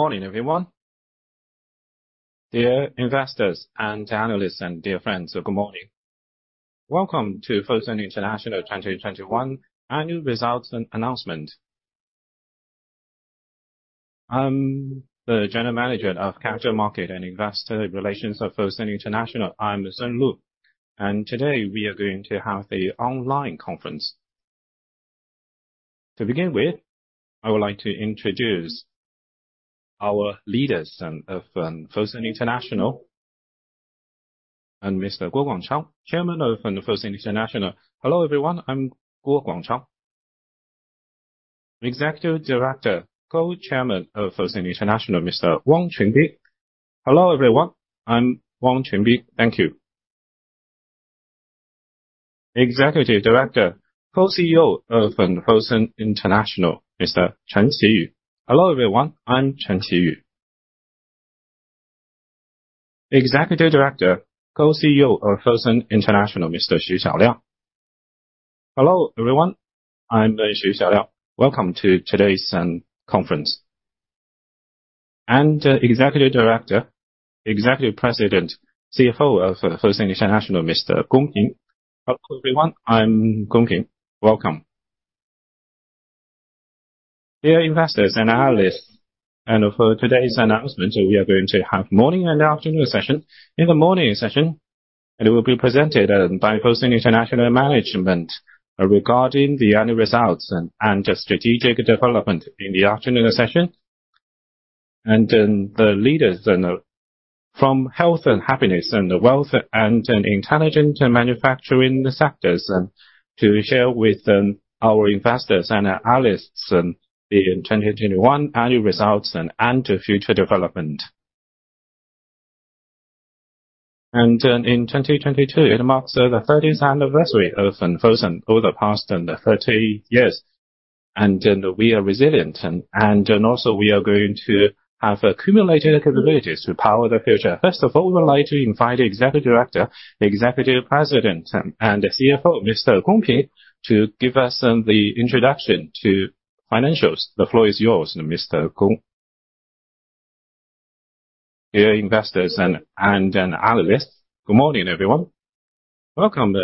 Morning, everyone. Dear investors and analysts and dear friends, good morning. Welcome to Fosun International 2021 annual results announcement. I'm the General Manager of Capital Market and Investor Relations of Fosun International. I am San Lu. Today, we are going to have the online conference. To begin with, I would like to introduce our leaders of Fosun International. Mr. Guo Guangchang, Chairman of Fosun International. Hello, everyone. I'm Guo Guangchang. Executive Director, Co-Chairman of Fosun International, Mr. Wang Qunbin. Hello, everyone. I'm Wang Qunbin. Thank you. Executive Director, Co-Chief Executive Officer of Fosun International, Mr. Chen Qiyu. Hello, everyone. I'm Chen Qiyu. Executive Director, Co-Chief Executive Officer of Fosun International, Mr. Xu Xiaoliang. Hello, everyone. I'm Xu Xiaoliang. Welcome to today's conference. Executive Director, Executive President, Chief Financial Officer of Fosun International, Mr. Gong Ping. Hello, everyone. I'm Gong Ping. Welcome. Dear investors and analysts, for today's announcement, we are going to have morning and afternoon session. In the morning session, it will be presented by Fosun International management regarding the annual results and strategic development. In the afternoon session, the leaders from health and happiness and the wealth and intelligent manufacturing sectors to share with our investors and our analysts the 2021 annual results and to future development. In 2022, it marks the 30th anniversary of Fosun over the past 30 years. We are resilient and we are going to have accumulated capabilities to power the future. First of all, we would like to invite Executive Director, Executive President and Chief Financial Officer, Mr. Gong Ping, to give us the introduction to financials. The floor is yours, Mr. Gong. Dear investors and analysts, good morning, everyone. Welcome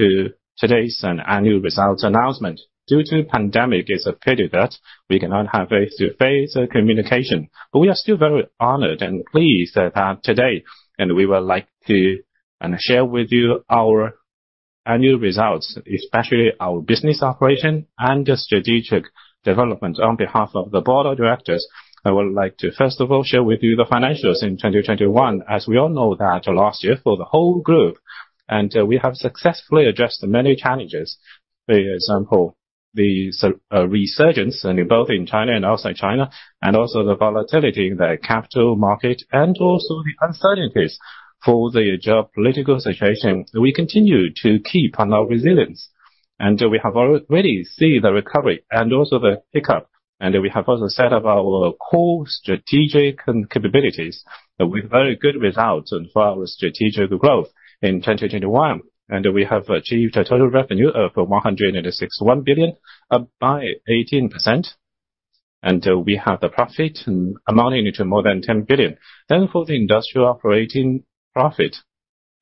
to today's annual results announcement. Due to the pandemic, it's a pity that we cannot have a face-to-face communication, but we are still very honored and pleased that today we would like to share with you our annual results, especially our business operation and the strategic development. On behalf of the board of directors, I would like to first of all share with you the financials in 2021. As we all know that last year for the whole group we have successfully addressed many challenges. For example, the resurgence in both China and outside China, and also the volatility in the capital market and also the uncertainties for the geopolitical situation. We continue to keep on our resilience, and we have already seen the recovery and also the pickup. We have also set up our core strategic capabilities with very good results and for our strategic growth in 2021. We have achieved a total revenue of 161 billion, up by 18%. We have the profit amounting to more than 10 billion. For the industrial operating profit,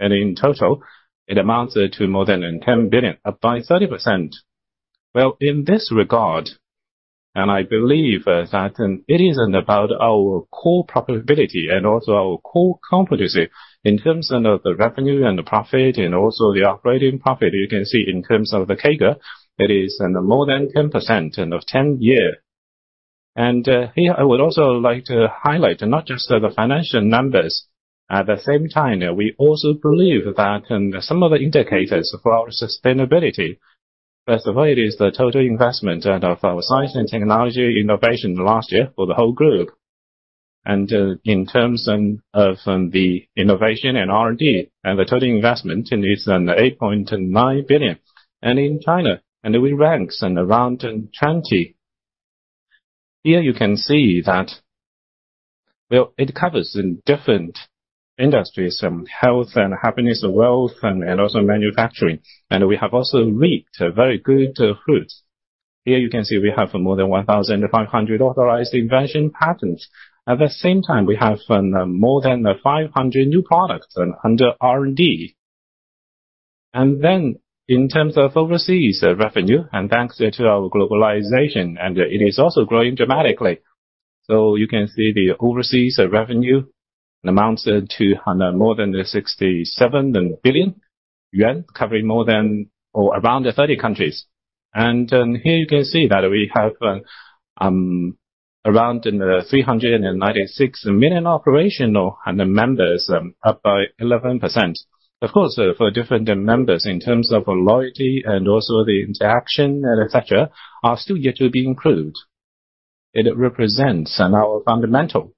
and in total, it amounts to more than 10 billion, up by 30%. In this regard, I believe that it is about our core profitability and also our core competency in terms of the revenue and the profit and also the operating profit. You can see in terms of the CAGR, it is more than 10% over 10 years. Here, I would also like to highlight not just the financial numbers. At the same time, we also believe that some of the indicators for our sustainability. First of all, it is the total investment and of our science and technology innovation last year for the whole group. In terms of the innovation and R&D, the total investment in this, then 8.9 billion. In China, we ranks in around. Here you can see that. Well, it covers in different industries, health and happiness, wealth and also manufacturing. We have also reaped a very good fruits. Here you can see we have more than 1,500 authorized invention patents. At the same time, we have more than 500 new products under R&D. Then in terms of overseas revenue, thanks to our globalization, it is also growing dramatically. You can see the overseas revenue amounts to more than 67 billion yuan, covering more than or around 30 countries. Here you can see that we have around 396 million operational members, up 11%. Of course, for different members in terms of loyalty and also the interaction and etcetera, are still yet to be included. It represents our fundamental.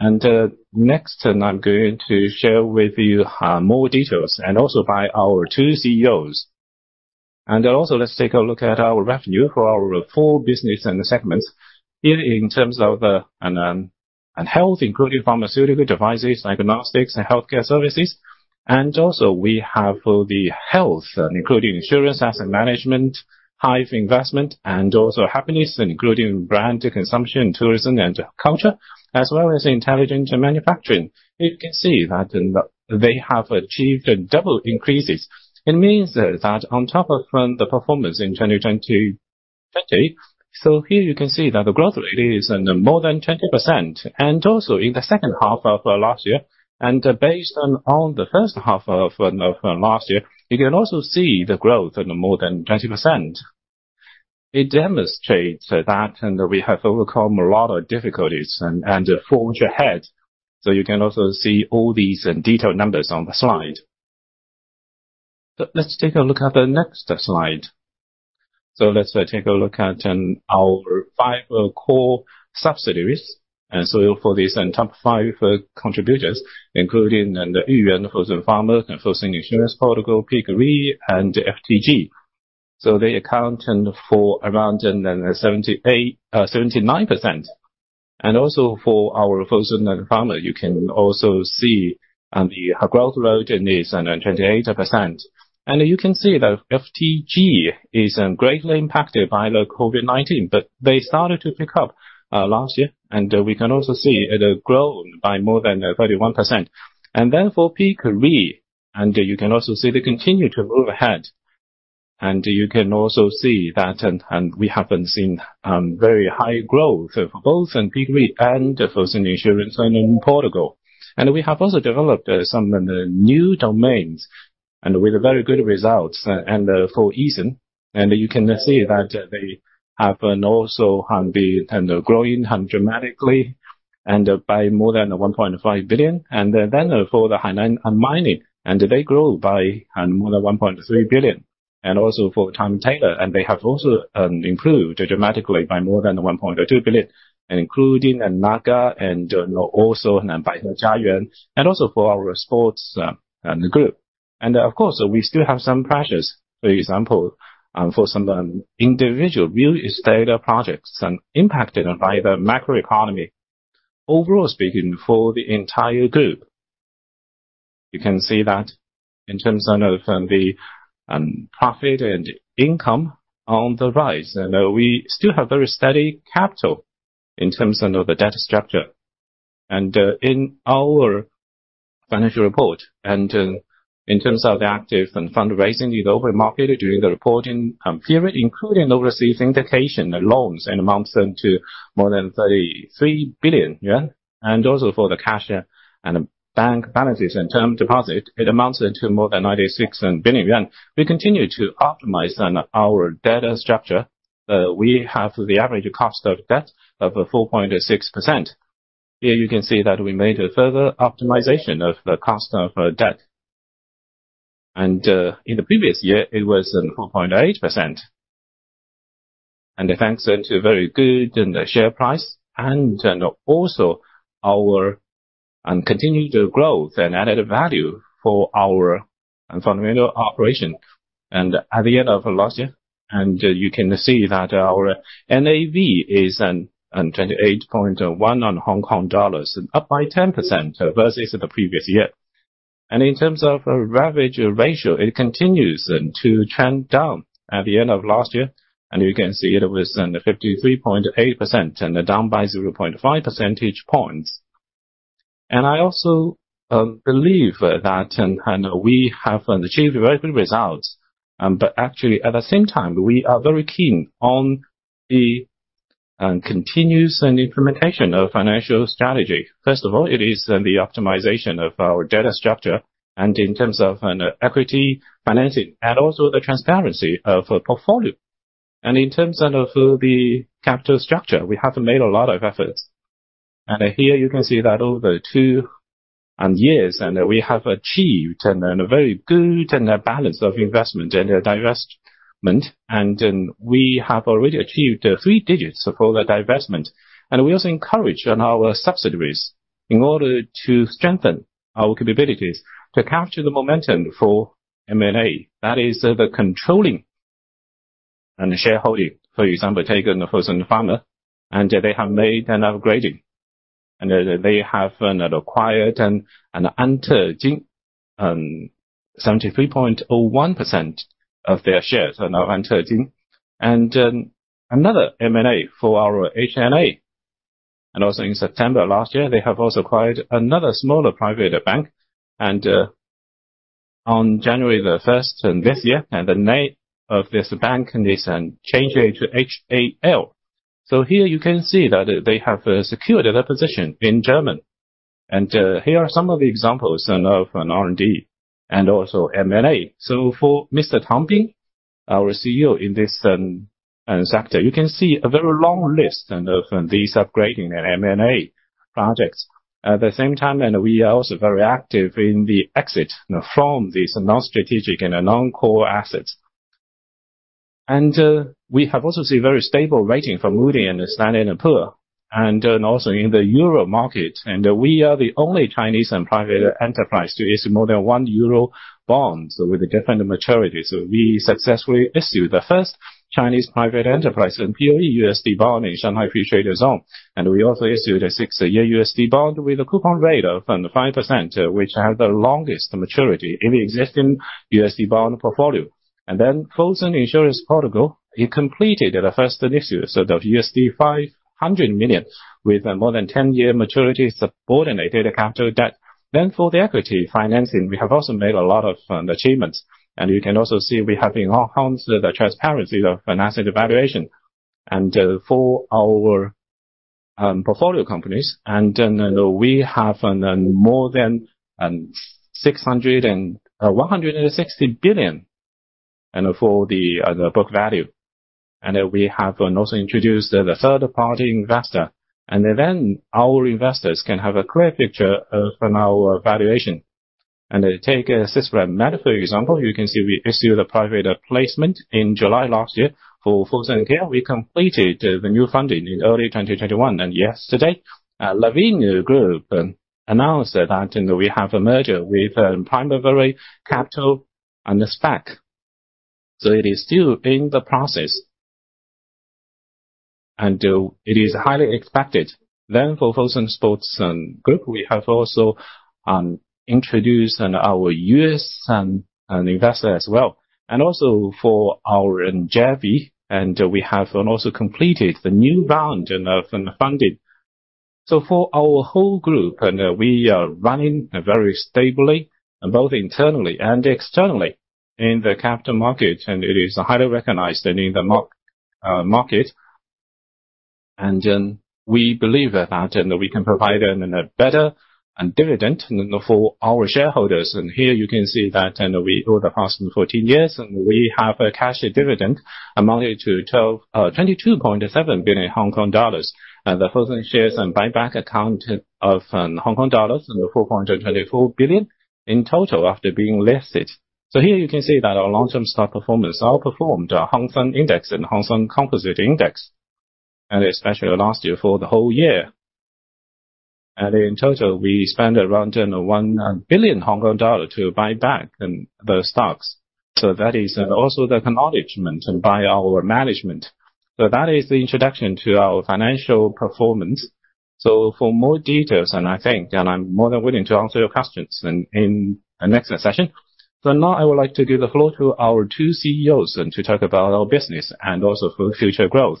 Next, I'm going to share with you more details and also by our two Chief Executive Officers. Let's take a look at our revenue for our full business and segments. Here, in terms of Health, including pharmaceutical devices, diagnostics and healthcare services. We have the Wealth, including insurance, asset management, HIVE investment, and also Happiness, including brand consumption, tourism, and culture, as well as intelligent manufacturing. You can see that they have achieved double increases. It means that on top of the performance in 2020, here you can see that the growth rate is more than 20% and also in the second half of last year. Based on the first half of last year, you can also see the growth more than 20%. It demonstrates that we have overcome a lot of difficulties and forged ahead. You can also see all these detailed numbers on the slide. Let's take a look at the next slide. Let's take a look at our 5 core subsidiaries. For these top five contributors, including Yuyuan, Fosun Pharma, Fosun Insurance, Fidelidade, Peak Re, and FTG. They accounted for around 79%. Also for our Fosun Pharma, you can also see the growth rate is 28%. You can see that FTG is greatly impacted by the COVID-19, but they started to pick up last year, and we can also see it grown by more than 31%. For Peak Re, you can also see they continue to move ahead. You can also see that we haven't seen very high growth for both in Peak Re and Fosun Insurance and in Portugal. We have also developed some new domains and with very good results. For Easun, you can see that they have also been growing dramatically and by more than 1.5 billion. For the Hainan Mining, they grow by more than 1.3 billion. Also for Time Taylor, and they have also improved dramatically by more than 1.2 billion, including NAGA and also Baihe Jiayuan, and also for our Sports Group. Of course, we still have some pressures. For example, for some individual real estate projects impacted by the macroeconomy. Overall speaking, for the entire group, you can see that in terms of the profit and income on the rise, and we still have very steady capital in terms of the debt structure. In our financial report and in terms of the active fundraising in the open market during the reporting period, including overseas syndication loans amounting to more than 33 billion yuan. Also for the cash and bank balances and term deposit, it amounting to more than 96 billion yuan. We continue to optimize our debt structure. We have the average cost of debt of 4.6%. Here you can see that we made a further optimization of the cost of debt. In the previous year it was 4.8%. Thanks to very good share price and also our continued growth and added value for our fundamental operation. At the end of last year, you can see that our NAV is 28.1 Hong Kong dollars, up by 10% versus the previous year. In terms of leverage ratio, it continues to trend down at the end of last year. You can see it was 53.8% and down by 0.5 percentage points. I also believe that we have achieved very good results. Actually, at the same time, we are very keen on the continuous implementation of financial strategy. First of all, it is the optimization of our debt structure and in terms of equity financing and also the transparency of portfolio. In terms of the capital structure, we have made a lot of efforts. Here you can see that over two years, we have achieved a very good balance of investment and divestment. We have already achieved three digits for the divestment. We also encourage our subsidiaries in order to strengthen our capabilities to capture the momentum for M&A. That is the controlling and shareholding, for example, taking Fosun Pharma, and they have made an upgrading, and they have acquired Antejin, 73.1% of their shares of Antejin. Another M&A for our H&A. In September last year, they have also acquired another smaller private bank. On January 1st this year, the name of this bank is changed to HAL. Here you can see that they have secured their position in Germany. Here are some of the examples of R&D and also M&A. For Mr. Tang Bin, our Chief Executive Officer in this sector, you can see a very long list of these upgrading and M&A projects. At the same time, we are also very active in the exit from these non-strategic and non-core assets. We have also seen very stable rating from Moody's and Standard & Poor's. Also in the Euro market, we are the only Chinese and private enterprise to issue more than one euro bond with different maturities. We successfully issued the first Chinese private enterprise and purely U.S.$ Bond in Shanghai Free Trade Zone. We also issued a six-year U.S.$ bond with a coupon rate of 5%, which has the longest maturity in the existing U.S.$ bond portfolio. Fosun Insurance Portugal completed the first issue. The $500 million with more than 10-year maturity subordinated capital debt. For the equity financing, we have also made a lot of achievements. You can also see we have enhanced the transparency of an asset evaluation. For our portfolio companies, we have more than 616 billion for the book value. We have also introduced the third-party investor. Our investors can have a clear picture of our valuation. Take SyspMed, for example. You can see we issued a private placement in July last year for Fosun Care. We completed the new funding in early 2021. Yesterday, Lanvin Group announced that we have a merger with Primavera Capital and the SPAC. It is still in the process, and it is highly expected. For Fosun Sports Group, we have also introduced our U.S. investor as well. Also for our JV, we have also completed the new round of funding. For our whole group, we are running very stably, both internally and externally in the capital market, and it is highly recognized in the market. We believe that we can provide a better dividend for our shareholders. Here you can see that over the past 14 years, we have a cash dividend amounted to 22.7 billion Hong Kong dollars. The Fosun shares and buyback account of 4.24 billion in total after being listed. Here you can see that our long-term stock performance outperformed our Hang Seng Index and Hang Seng Composite Index, and especially last year for the whole year. In total, we spent around 1 billion Hong Kong dollar to buy back the stocks. That is also the acknowledgement by our management. That is the introduction to our financial performance. For more details, and I think, and I'm more than willing to answer your questions in the next session. Now I would like to give the floor to our two Chief Executive Officers and to talk about our business and also for future growth.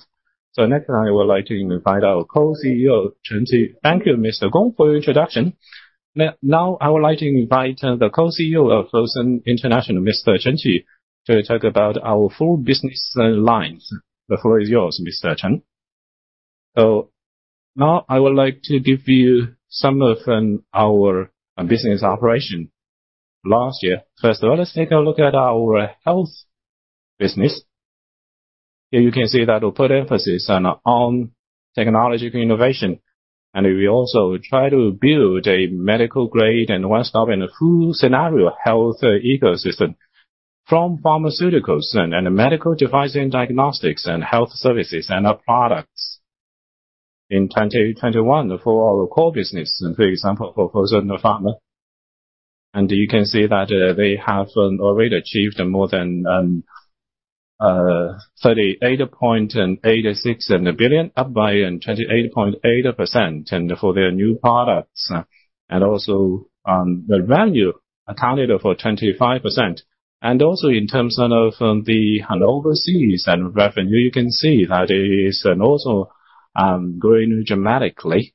Next, I would like to invite our Co-Chief Executive Officer, Chen Qiyu. Thank you, Mr. Gong, for your introduction. Now, I would like to invite the Co-Chief Executive Officer of Fosun International, Mr. Chen Qiyu, to talk about our full business line. The floor is yours, Mr. Chen Qiyu. Now I would like to give you some of our business operation last year. First of all, let's take a look at our health business. Here you can see that we put emphasis on our own technological innovation, and we also try to build a medical-grade and one-stop and full scenario health ecosystem from pharmaceuticals and medical device and diagnostics and health services and products. In 2021, for our core business, for example, for Fosun Pharma, and you can see that they have already achieved more than 38.86 billion, up by 28.8% for their new products. Also, the value accounted for 25%. Also in terms of the overseas revenue, you can see that it is also growing dramatically.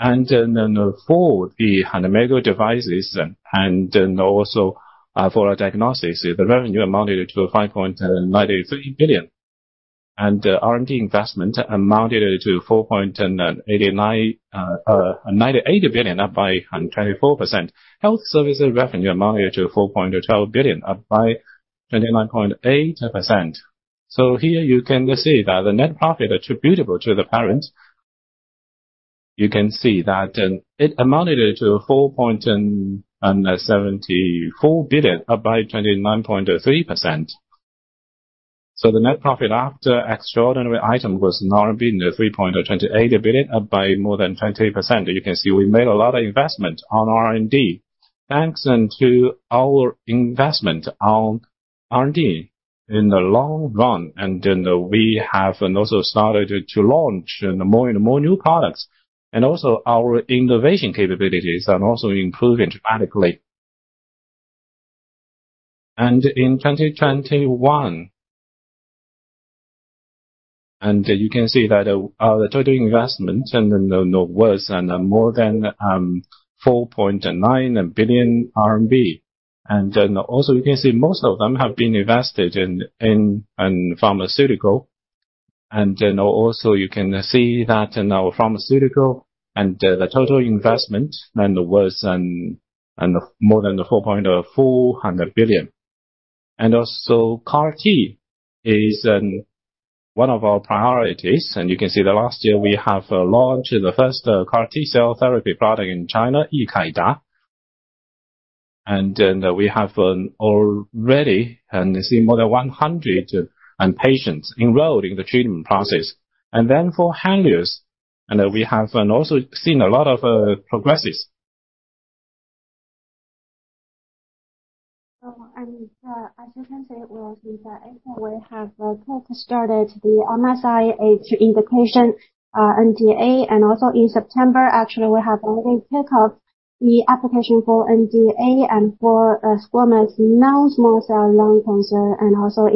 For the medical devices and also for diagnostics, the revenue amounted to 5.93 billion. R&D investment amounted to 4.98 billion, up by 24%. Health services revenue amounted to 4.12 billion, up by 29.8%. Here you can see that the net profit attributable to the parent, you can see that it amounted to 4.74 billion, up by 29.3%. The net profit after extraordinary item was 3.28 billion, up by more than 20%. You can see we made a lot of investment on R&D. Thanks to our investment on R&D in the long run. We have also started to launch more and more new products. Our innovation capabilities are also improving dramatically. In 2021 you can see that our total investment was more than 4.9 billion RMB. You can see most of them have been invested in pharmaceutical. You can see that in our pharmaceutical the total investment was more than 4.4 billion. CAR T is one of our priorities. You can see that last year we have launched the first CAR T-cell therapy product in China, Yikaida. We have already seen more than 100 patients enrolled in the treatment process. For Henlius, we have also seen a lot of progress. As you can see, since April we have quickly started the serplulimab HCC indication NDA, and also in September, actually we have already submitted the application for NDA for serplulimab non-small cell lung cancer.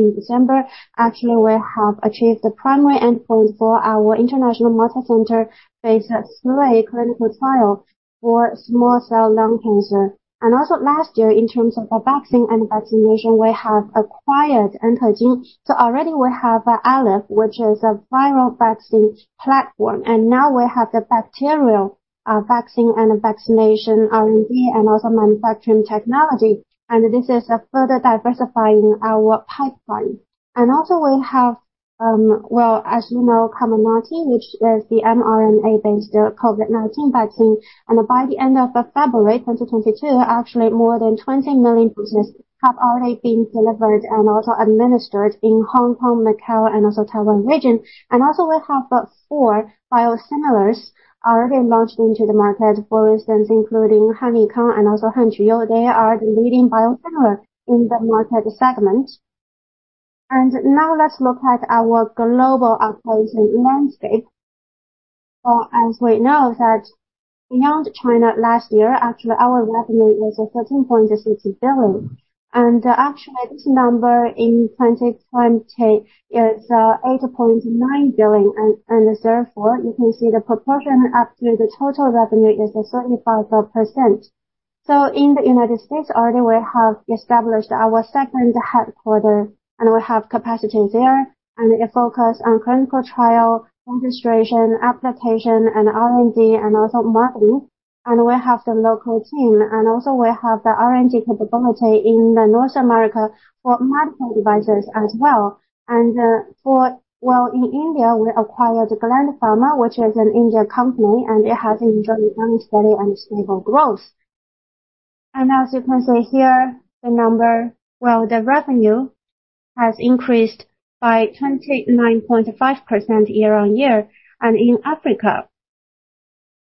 In December, actually we have achieved the primary endpoint for our international multicenter phase III clinical trial for small cell lung cancer. Last year, in terms of the vaccine and vaccination, we have acquired Antejin. So already we have Aleph, which is a viral vaccine platform, and now we have the bacterial vaccine and vaccination R&D and also manufacturing technology. This is further diversifying our pipeline. We also have, as you know, Comirnaty, which is the mRNA-based COVID-19 vaccine. By the end of February 2022, actually more than 20 million doses have already been delivered and also administered in Hong Kong, Macao, and also Taiwan region. We have four biosimilars already launched into the market, for instance, including HANLIKANG and also HANQUYOU. They are the leading biosimilar in the market segment. Now let's look at our global operation landscape. As we know that beyond China last year, actually our revenue was 13.6 billion. Actually this number in 2020 is eight point nine billion. Therefore, you can see the proportion up to the total revenue is 35%. In the United States already we have established our second headquarter, and we have capacity there, and it focus on clinical trial, registration, application, and R&D, and also marketing. We have the local team, and also we have the R&D capability in North America for medical devices as well. In India, we acquired Gland Pharma, which is an Indian company, and it has enjoyed steady and stable growth. As you can see here, the revenue has increased by 29.5% year-on-year. In Africa,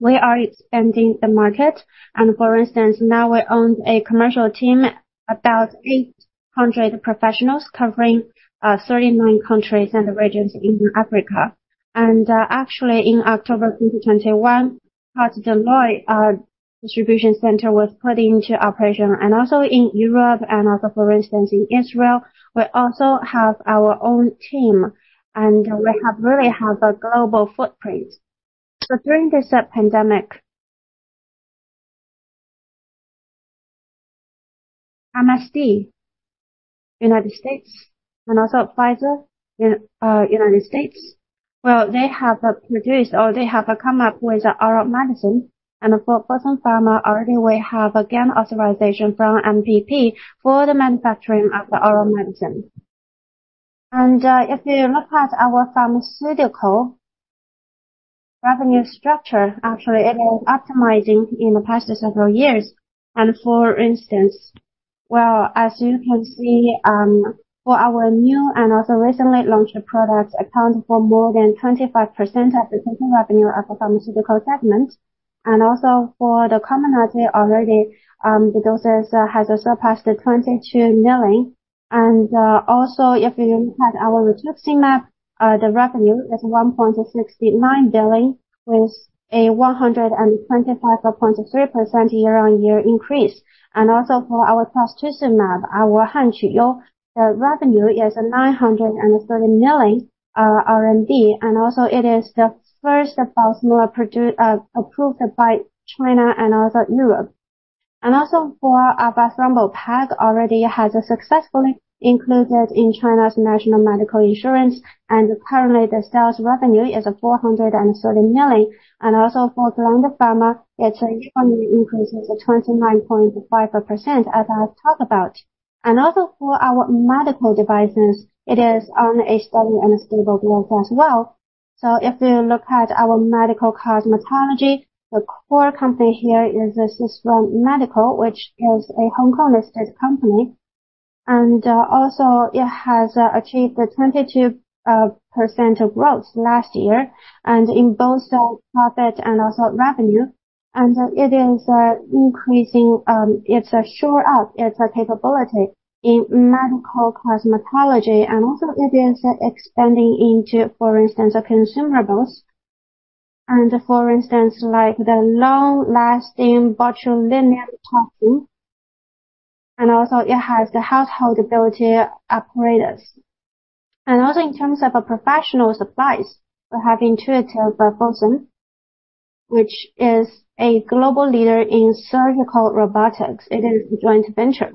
we are expanding the market. For instance, now we own a commercial team, about 800 professionals covering 39 countries and regions in Africa. Actually, in October 2021, Port-Gentil distribution center was put into operation. Also in Europe and also for instance in Israel, we also have our own team, and we really have a global footprint. During this pandemic, MSD, U.S., and also Pfizer, U.S., well, they have produced or they have come up with an oral medicine. For Fosun Pharma, already we have gained authorization from MPP for the manufacturing of the oral medicine. If you look at our pharmaceutical revenue structure, actually it is optimizing in the past several years. For instance, well, as you can see, for our new and also recently launched products account for more than 25% of the total revenue of the pharmaceutical segment. For the Comirnaty already, the doses has surpassed 22 million. If you look at our rituximab, the revenue is 1.69 billion, with a 125.3% year on year increase. For our trastuzumab, our HANQUYOU, the revenue is 930 million RMB. It is the first biosimilar product approved by China and also Europe. HANBEITAI already has successfully been included in China's National Medical Insurance, and currently the sales revenue is 430 million. For Gland Pharma, its revenue increase is 29.5%, as I talked about. For our medical devices, it is on a steady and stable growth as well. If you look at our medical cosmetology, the core company here is Sisram Medical, which is a Hong Kong-listed company. It has achieved a 22% growth last year and in both profit and also revenue. It is increasing its scale-up capability in medical cosmetology. It is expanding into, for instance, consumables. For instance, like the long-lasting botulinum toxin. It has the household beauty apparatus. In terms of professional supplies, we have Intuitive Fosun, which is a global leader in surgical robotics. It is a joint venture.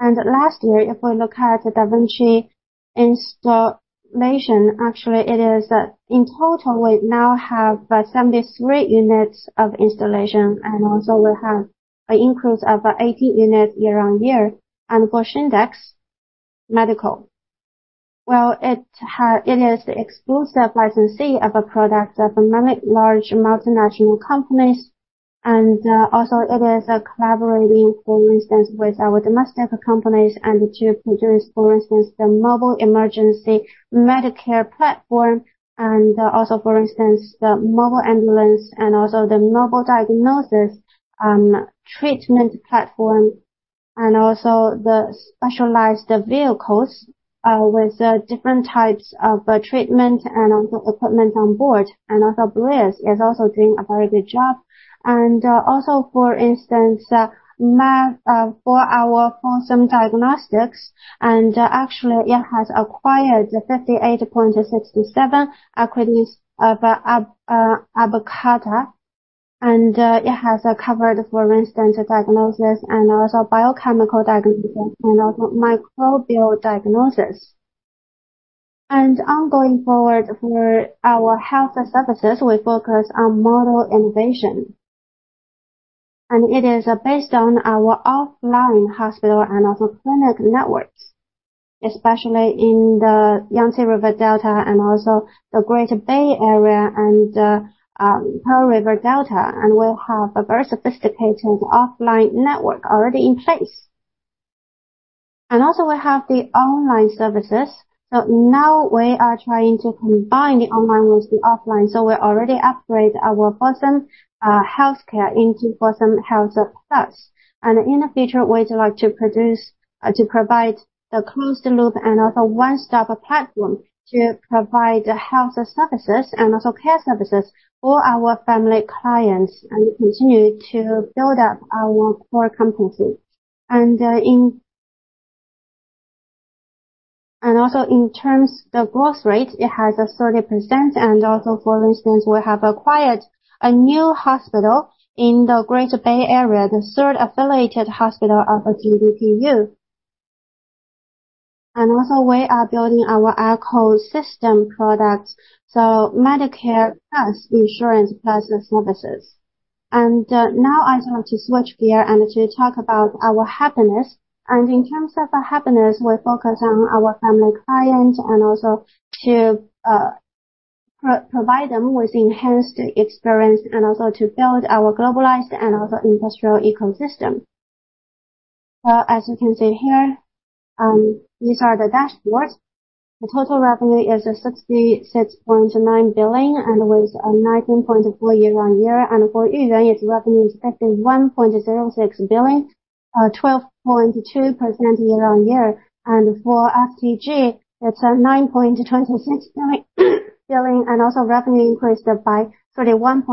Last year, if we look at da Vinci installation, actually it is, in total we now have 73 units of installation, and also we have an increase of 80 units year-on-year. Bausch Index Medical. Well, it is the exclusive licensee of products of many large multinational companies. It is collaborating, for instance, with our domestic companies to produce, for instance, the mobile emergency medical platform, and also, for instance, the mobile ambulance and also the mobile diagnosis treatment platform. The specialized vehicles with different types of treatment and equipment on board. Breas is doing a very good job. For our Fosun Diagnostics, actually it has acquired 58.67 acquisitions of AbbVie Carter. It has covered, for instance, diagnosis and also biochemical diagnosis and also microbial diagnosis. Going forward for our health services, we focus on model innovation. It is based on our offline hospital and clinic networks, especially in the Yangtze River Delta and the Greater Bay Area and Pearl River Delta. We have a very sophisticated offline network already in place. We have the online services. Now we are trying to combine the online with the offline. We already upgrade our Fosun Healthcare into Fosun Health Plus. In the future, we'd like to provide a closed loop and also one-stop platform to provide health services and also care services for our family clients and continue to build up our core competency. In terms of growth rate, it has 30%. For instance, we have acquired a new hospital in the Greater Bay Area, the third affiliated hospital of GDU. We are building our ecosystem product, so Medicare Plus, insurance plus services. Now I want to switch gear and to talk about our happiness. In terms of happiness, we focus on our family clients and also to provide them with enhanced experience and also to build our globalized and also industrial ecosystem. As you can see here, these are the dashboards. The total revenue is 66.9 billion with 19.4% year-over-year. For Yuyuan, its revenue is 51.06 billion, 12.2% year-over-year. For FTG, it's 9.26 billion, and also revenue increased by 31.2%.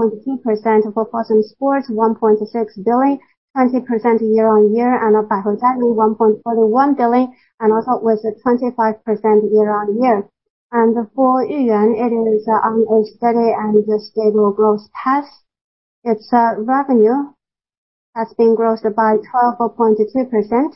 For Fosun Sports, 1.6 billion, 20% year-over-year. For Baihe Jiayuan, 1.41 billion, and also with 25% year-over-year. For Yuyuan, it is on a steady and stable growth path. Its revenue has been grown by 12.2%.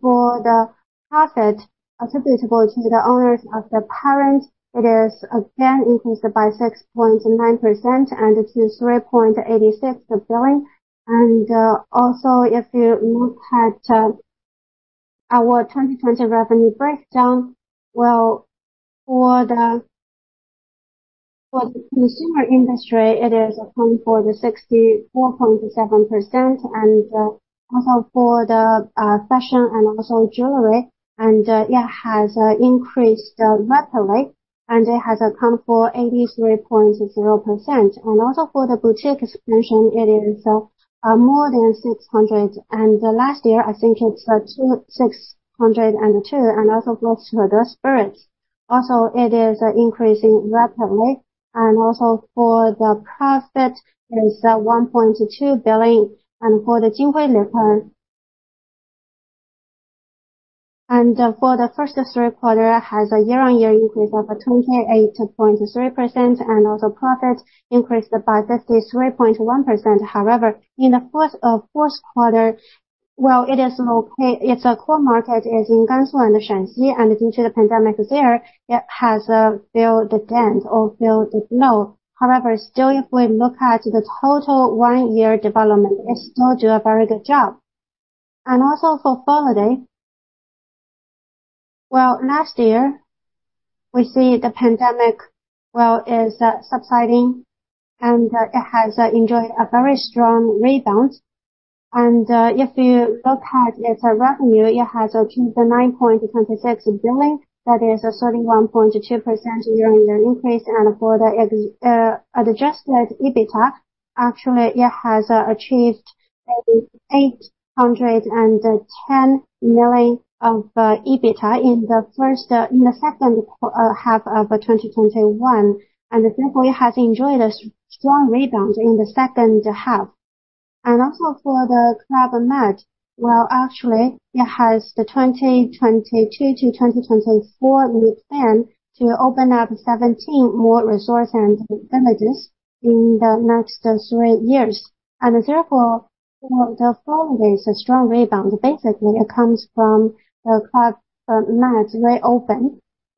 For the profit attributable to the owners of the parent, it is again increased by 6.9% and to CNY 3.86 billion. Also if you look at our 2020 revenue breakdown, well, for the consumer industry, it is accounting for 64.7%. For the fashion and also jewelry, it has increased rapidly, and it has account for 83.0%. For the boutique expansion, it is more than 600. Last year, I think it's 602, and also growth for the spirits. Also, it is increasing rapidly. For the profit is 1.2 billion. For the Jinhui Liquor for the first three quarters, it has a year-on-year increase of 28.3%. Profit increased by 53.1%. However, in the fourth quarter, it is okay. Its core market is in Gansu and Shaanxi, and due to the pandemic there, it has felt the dent or feel the blow. However, still, if we look at the total one year development, it still do a very good job. Also for holiday. Last year, we see the pandemic is subsiding and it has enjoyed a very strong rebound. If you look at its revenue, it has achieved 9.26 billion. That is a 31.2% year-on-year increase. For the adjusted EBITDA, actually, it has achieved 810 million of EBITDA in the second half of 2021. Therefore, it has enjoyed a strong rebound in the second half. Also for Club Med, well, actually, it has the 2022-2024 mid-term plan to open up 17 more resorts and villages in the next three years. Therefore, you know, the following is a strong rebound. Basically, it comes from the Club Med reopen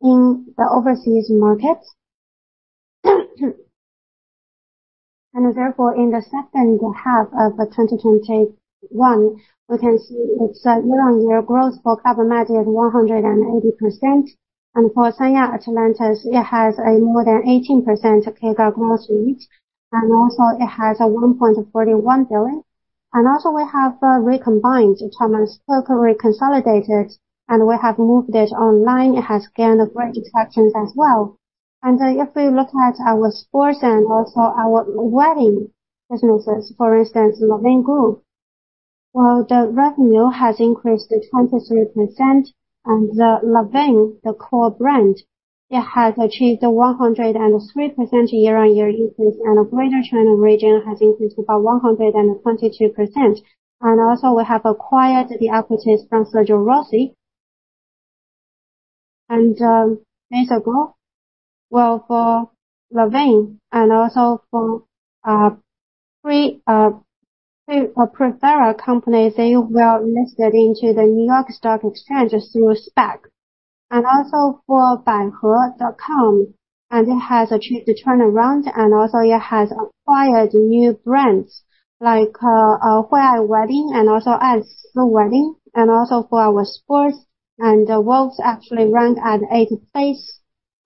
in the overseas markets. Therefore, in the second half of 2021, we can see its year-on-year growth for Club Med at 180%. For Atlantis Sanya, it has a more than 18% CAGR growth rate, and also it has 1.41 billion. Also we have recombined Thomas Cook, reconsolidated, and we have moved it online. It has gained great acceptance as well. If we look at our sports and also our wedding businesses, for instance, Lanvin Group. Well, the revenue has increased to 23% and the Lanvin, the core brand, it has achieved 103% year-on-year increase, and the Greater China region has increased about 122%. We have acquired the equities from Sergio Rossi. Well, for Lanvin and also for Primavera company, they were listed into the New York Stock Exchange through SPAC. For baihe.com, it has achieved a turnaround and also it has acquired new brands like Huayue Wedding and also SS Wedding and also for our sports and Wolves actually ranked at 8th place.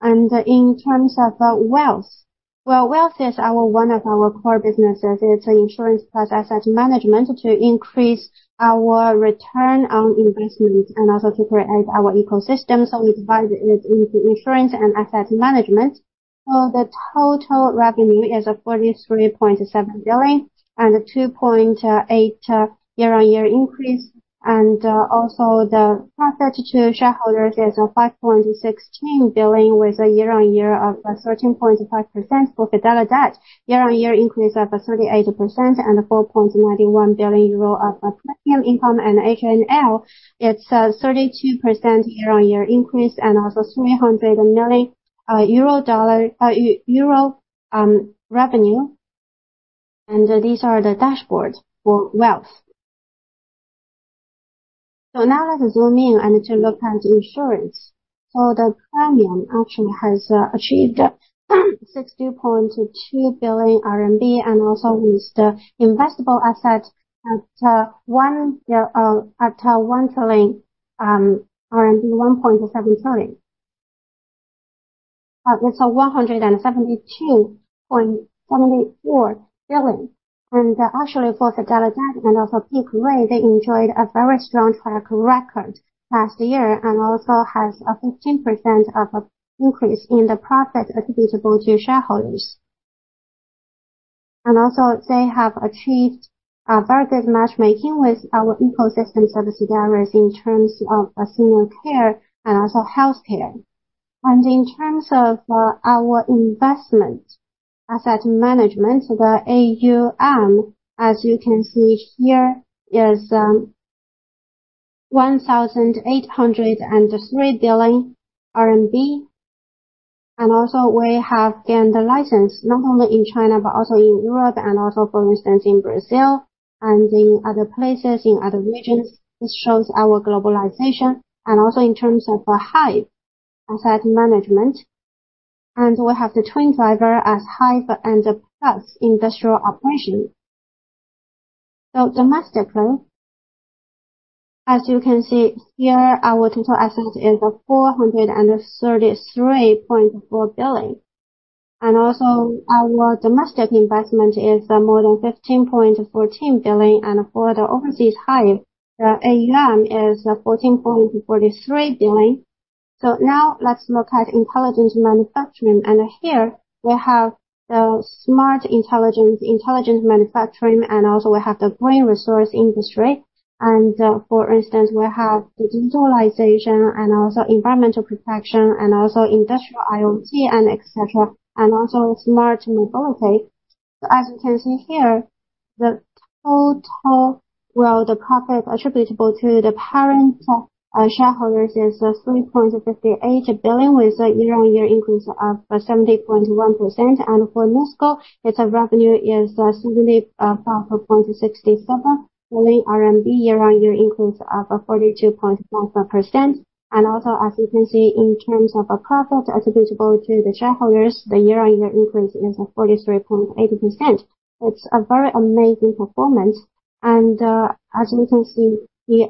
In terms of wealth, well, wealth is our one of our core businesses. It's insurance plus asset management to increase our return on investment and also to create our ecosystem. We divide it into insurance and asset management. The total revenue is 43.7 billion with a 2.8% year-on-year increase. Also the profit to shareholders is 5.16 billion with a year-on-year of 13.5%. For Fidelidade, year-on-year increase of 38% and 4.91 billion euro of premium income. HAL, it's a 32% year-on-year increase and also 300 million euro revenue. These are the dashboards for wealth. Now let's zoom in to look at insurance. The premium actually has achieved 60.2 billion RMB and also with the investable asset at 1.7 trillion. It's 172.74 billion. Actually for Fidelidade and Primavera, they enjoyed a very strong track record last year and also has a 15% increase in the profit attributable to shareholders. They have achieved a very good matchmaking with our ecosystem services areas in terms of senior care and also healthcare. In terms of our investment asset management, the AUM, as you can see here, is 1.803 trillion RMB. We have gained a license not only in China, but also in Europe and also for instance in Brazil and in other places, in other regions. This shows our globalization and in terms of HIVE asset management. We have the twin driver as HIVE and Plus industrial operation. Domestically, as you can see here, our total asset is 433.4 billion. Our domestic investment is more than 15.14 billion. For the overseas HIVE, the AUM is 14.43 billion. Now let's look at intelligent manufacturing. Here we have the smart intelligence, intelligent manufacturing, and also we have the gray resource industry. For instance, we have the digitalization and also environmental protection and also industrial IoT and et cetera, and also smart mobility. As you can see here, the profit attributable to the parent shareholders is 3.58 billion, with a year-on-year increase of 70.1%. For NISCO, its revenue is 75.67 billion RMB, year-on-year increase of 42.9%. As you can see in terms of profit attributable to the shareholders, the year-on-year increase is 43.8%. It's a very amazing performance. As you can see, the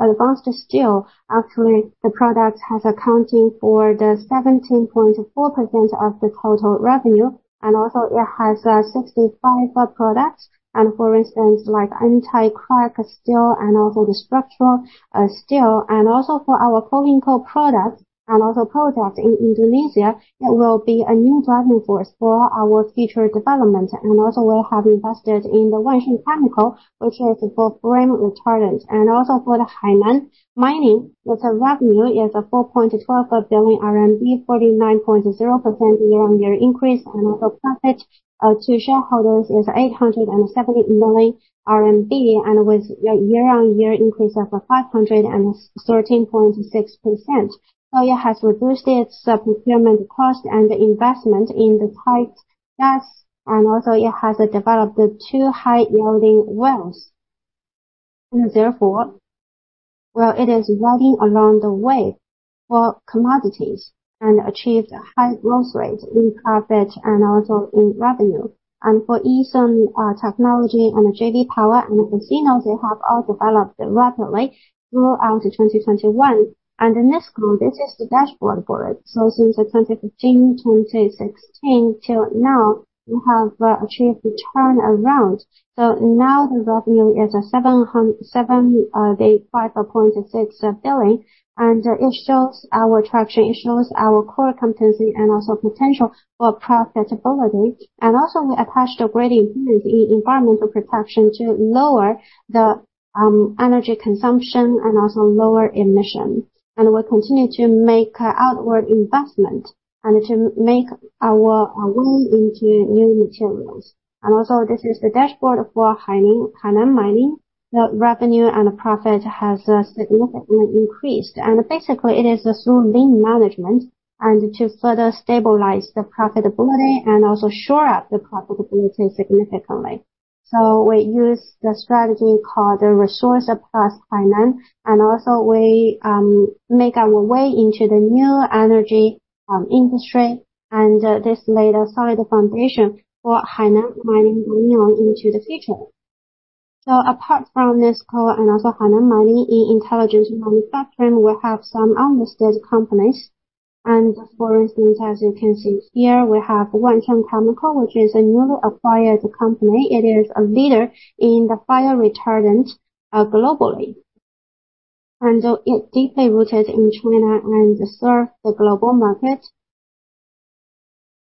advanced steel, actually the product has accounted for the 17.4% of the total revenue. It has 65 products and for instance, like anti-crack steel and also the structural steel and also for our coke products and also projects in Indonesia, it will be a new driving force for our future development. We have invested in the Wansheng Chemical, which is for flame retardant. For the Hainan Mining, its revenue is 4.12 billion RMB, 49.0% year-on-year increase. Profit to shareholders is 870 million RMB and with a year-on-year increase of 513.6%. It has reduced its procurement cost and investment in the pipeline gas and also it has developed 2 high-yielding wells. Therefore. Well, it is riding along the way for commodities and achieved high growth rate in profit and also in revenue. For Easun Technology and JEVE Power and the casinos, they have all developed rapidly throughout 2021. The NISCO, this is the dashboard for it. Since 2015, 2016 till now, we have achieved a turnaround. Now the revenue is 5.6 billion. It shows our traction, it shows our core competency and also potential for profitability. We attach great importance in environmental protection to lower the energy consumption and also lower emission. We continue to make outward investment and to make our way into new materials. This is the dashboard for Hainan Mining. The revenue and profit has significantly increased. Basically it is through lean management and to further stabilize the profitability and also shore up the profitability significantly. We use the strategy called Resource Plus Hainan, and also we make our way into the new energy industry. This laid a solid foundation for Hainan Mining going on into the future. Apart from NISCO and also Hainan Mining, in intelligent manufacturing, we have some other state companies. For instance, as you can see here, we have Wansheng, which is a newly acquired company. It is a leader in the fire retardant globally. It is deeply rooted in China and they serve the global market.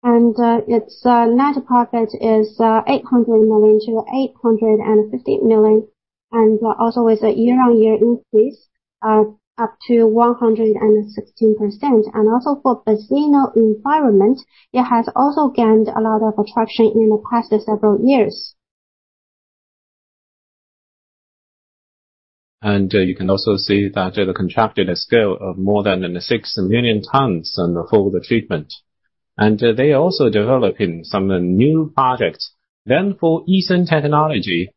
Its net profit is 800 million-850 million with a year-on-year increase of up to 116%. Also for business environment, it has also gained a lot of attention in the past several years. You can also see that the contracted scale of more than six million tons on the whole treatment. They are also developing some new projects. For Easun Technology.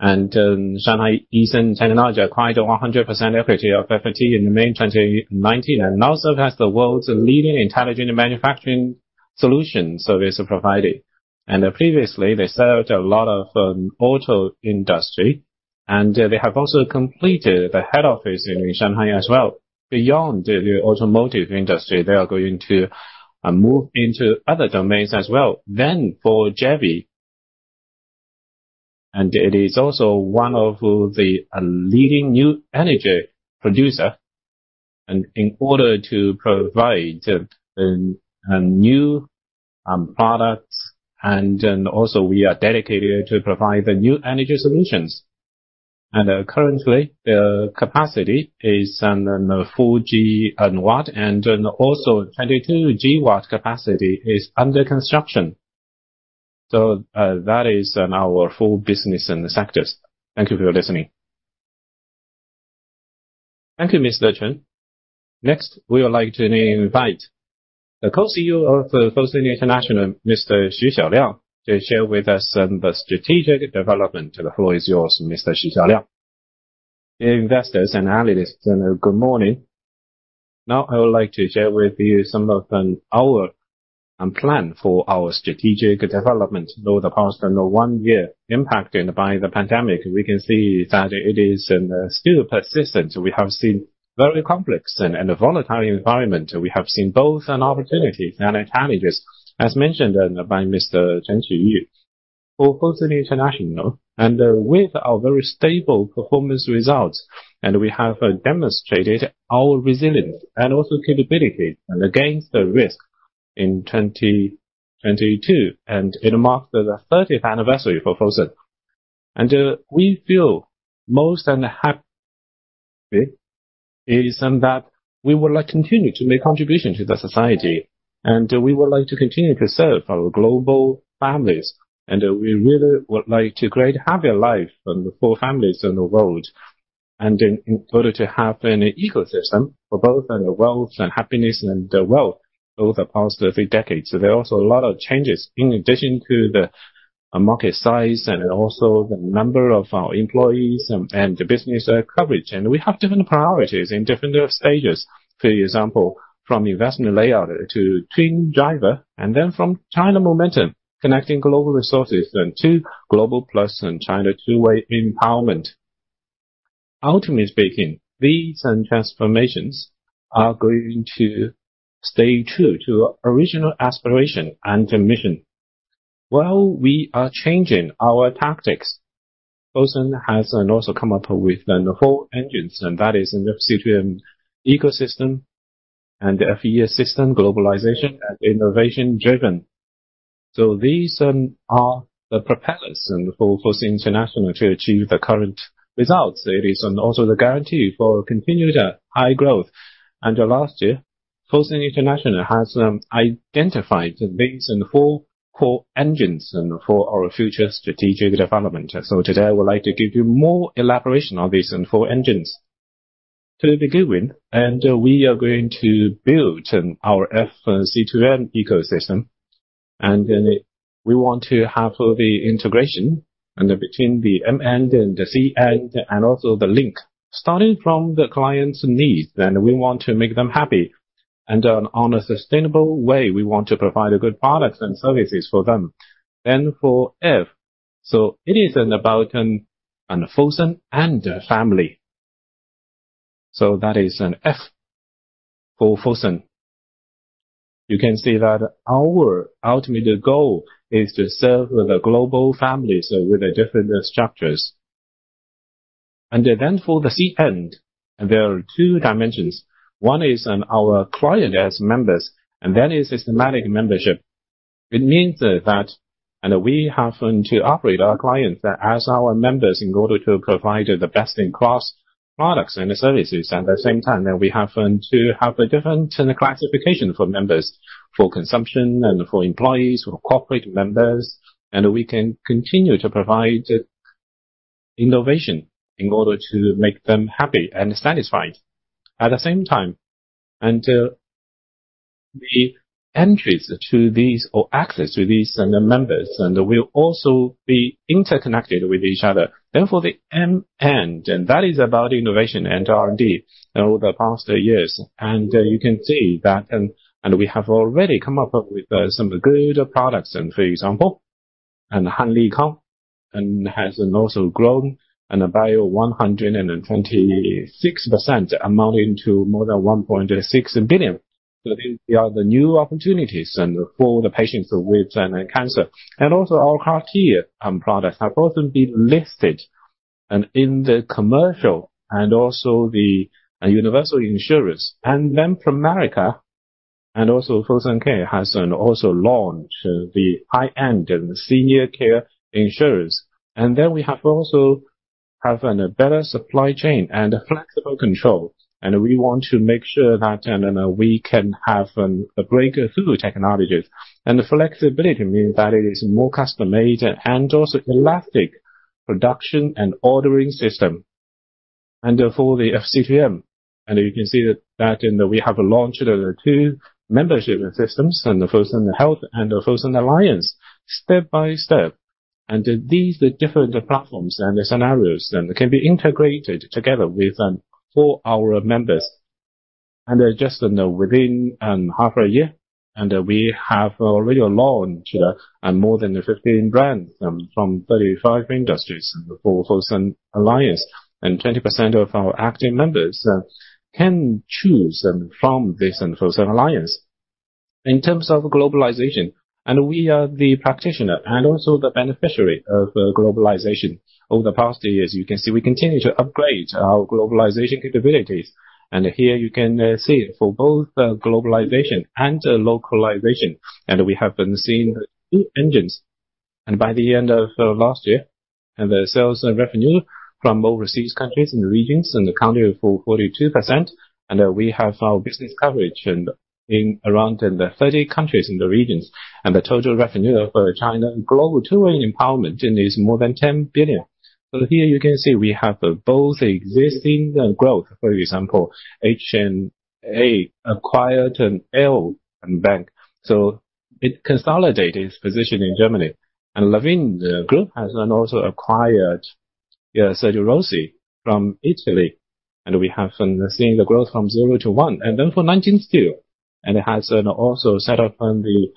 Shanghai Easun Technology acquired 100% equity of FET in May 2019, and also has the world's leading intelligent manufacturing solution service provider. Previously, they served a lot of auto industry, and they have also completed the head office in Shanghai as well. Beyond the automotive industry, they are going to move into other domains as well. For JEVE. It is also one of the leading new energy producer. In order to provide new products and then also we are dedicated to provide the new energy solutions. Currently, the capacity is on 4 GW and then also 22 GW capacity is under construction. That is our full business and sectors. Thank you for listening. Thank you, Mr. Chen. Next, we would like to invite the Co-Chief Executive Officer of Fosun International, Mr. Xu Xiaoliang, to share with us the strategic development. The floor is yours, Mr. Xu Xiaoliang. Dear investors and analysts, good morning. Now I would like to share with you some of our plan for our strategic development over the past one year impacted by the pandemic. We can see that it is still persistent. We have seen very complex and a volatile environment. We have seen both opportunities and challenges, as mentioned by Mr. Chen Qiyu. For Fosun International, and with our very stable performance results, and we have demonstrated our resilience and also capability against the risk in 2022, and it marks the 30th anniversary for Fosun. We feel most happy is that we would like to continue to make contribution to the society, and we would like to continue to serve our global families. We really would like to create happier life for families in the world. In order to have an ecosystem for both the wealth and happiness and the wealth over the past three decades. There are also a lot of changes in addition to the market size and also the number of our employees and the business coverage. We have different priorities in different stages. For example, from investment layout to twin driver, and then from China Momentum, connecting global resources to Global Plus and China two-way empowerment. Ultimately speaking, these transformations are going to stay true to original aspiration and mission. While we are changing our tactics, Fosun has also come up with the four engines, and that is an FC2M ecosystem and FES system, globalization and innovation driven. These are the propellants for Fosun International to achieve the current results. It is also the guarantee for continued high growth. Last year, Fosun International has identified these four core engines and for our future strategic development. Today, I would like to give you more elaboration on these four engines. To begin with, we are going to build our FC2M ecosystem, and then we want to have the integration between the M end and the C end, and also the link. Starting from the client's needs, then we want to make them happy. On a sustainable way, we want to provide good products and services for them. Then for F. It is about Fosun and the family. That is an F for Fosun. You can see that our ultimate goal is to serve the global families with different structures. For the C end, there are two dimensions. One is our client as members, and then is systematic membership. It means that and we have to operate our clients as our members in order to provide the best-in-class products and services. At the same time, that we have to have a different classification for members, for consumption and for employees, for corporate members, and we can continue to provide innovation in order to make them happy and satisfied. At the same time, the entries to these or access to these members and will also be interconnected with each other. Therefore, the M end, that is about innovation and R&D over the past years. You can see that, and we have already come up with some good products and for example, HANLIKANG has also grown by 126% amounting to more than 1.6 billion. These are the new opportunities for the patients with cancer. Our CAR T products have also been listed in the commercial and also the National Medical Insurance. From America, Fosun Care has also launched the high-end senior care insurance. We have a better supply chain and flexible control. We want to make sure that we can have breakthrough technologies. The flexibility means that it is more custom-made and also elastic production and ordering system. Therefore, the FC2M. You can see that in we have launched two membership systems and Fosun Health and Fosun Alliance step by step. These different platforms and scenarios can be integrated together with for our members. Just within half a year, we have already launched more than 15 brands from 35 industries for Fosun Alliance. 20% of our active members can choose from this Fosun Alliance. In terms of globalization, we are the practitioner and also the beneficiary of globalization. Over the past years, you can see we continue to upgrade our globalization capabilities. Here you can see for both globalization and localization. We have been seeing 2 engines. By the end of last year, the sales revenue from overseas countries and regions accounted for 42%. We have our business coverage in around 30 countries and regions. The total revenue for China global touring empowerment is more than 10 billion. Here you can see we have both existing growth. For example, HNA acquired L Bank. It consolidated its position in Germany. Lanvin Group has also acquired Sergio Rossi from Italy. We have seen the growth from zero to one. For Nanjing Iron & Steel, it has also set up the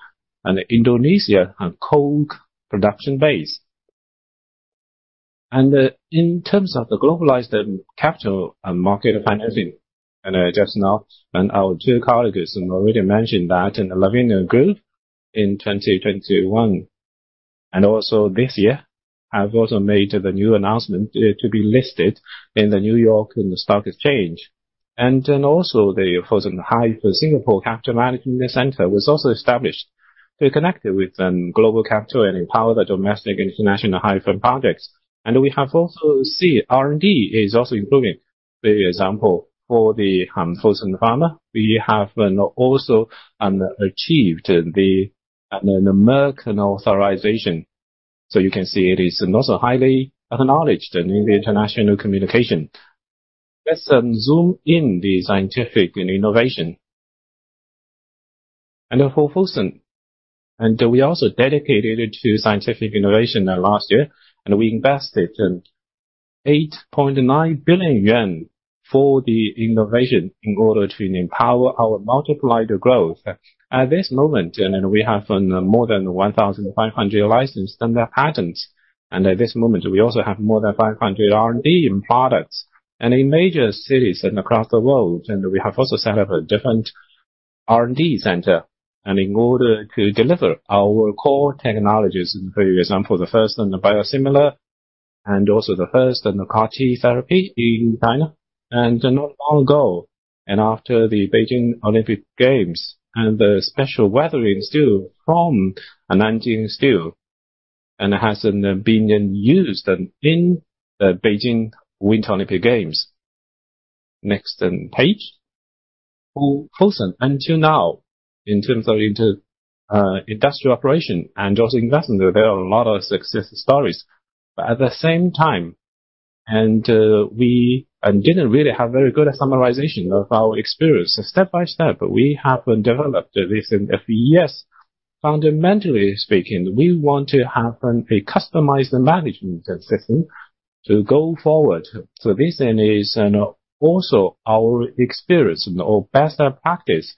Indonesia coke production base. In terms of the globalized capital market financing, just now our two colleagues already mentioned that in Lanvin Group in 2021. This year, have also made the new announcement to be listed in the New York Stock Exchange. The Fosun Singapore Capital Management Center was also established to connect with global capital and empower the domestic international high-tech projects. We have also seen R&D is also improving. For example, for the Fosun Pharma, we have also achieved an American authorization. So you can see it is also highly acknowledged in the international communication. Let's zoom in the scientific innovation. For Fosun, we also dedicated to scientific innovation last year, and we invested 8.9 billion yuan for the innovation in order to empower our multiplied growth. At this moment, we have more than 1,500 licensed patents. At this moment, we also have more than 500 R&D products. In major cities and across the world, we have also set up a different R&D center. In order to deliver our core technologies, for example, the first biosimilar, and also the first CAR T therapy in China. Not long ago, after the Beijing Olympic Games, the special weathering steel from Nanjing Iron & Steel has been used in the Beijing Winter Olympic Games. Next page. For Fosun, until now, in terms of industrial operation and also investment, there are a lot of success stories. At the same time, we didn't really have very good summarization of our experience. Step by step, we have developed this FES. Fundamentally speaking, we want to have a customized management system to go forward. This then is also our experience or best practice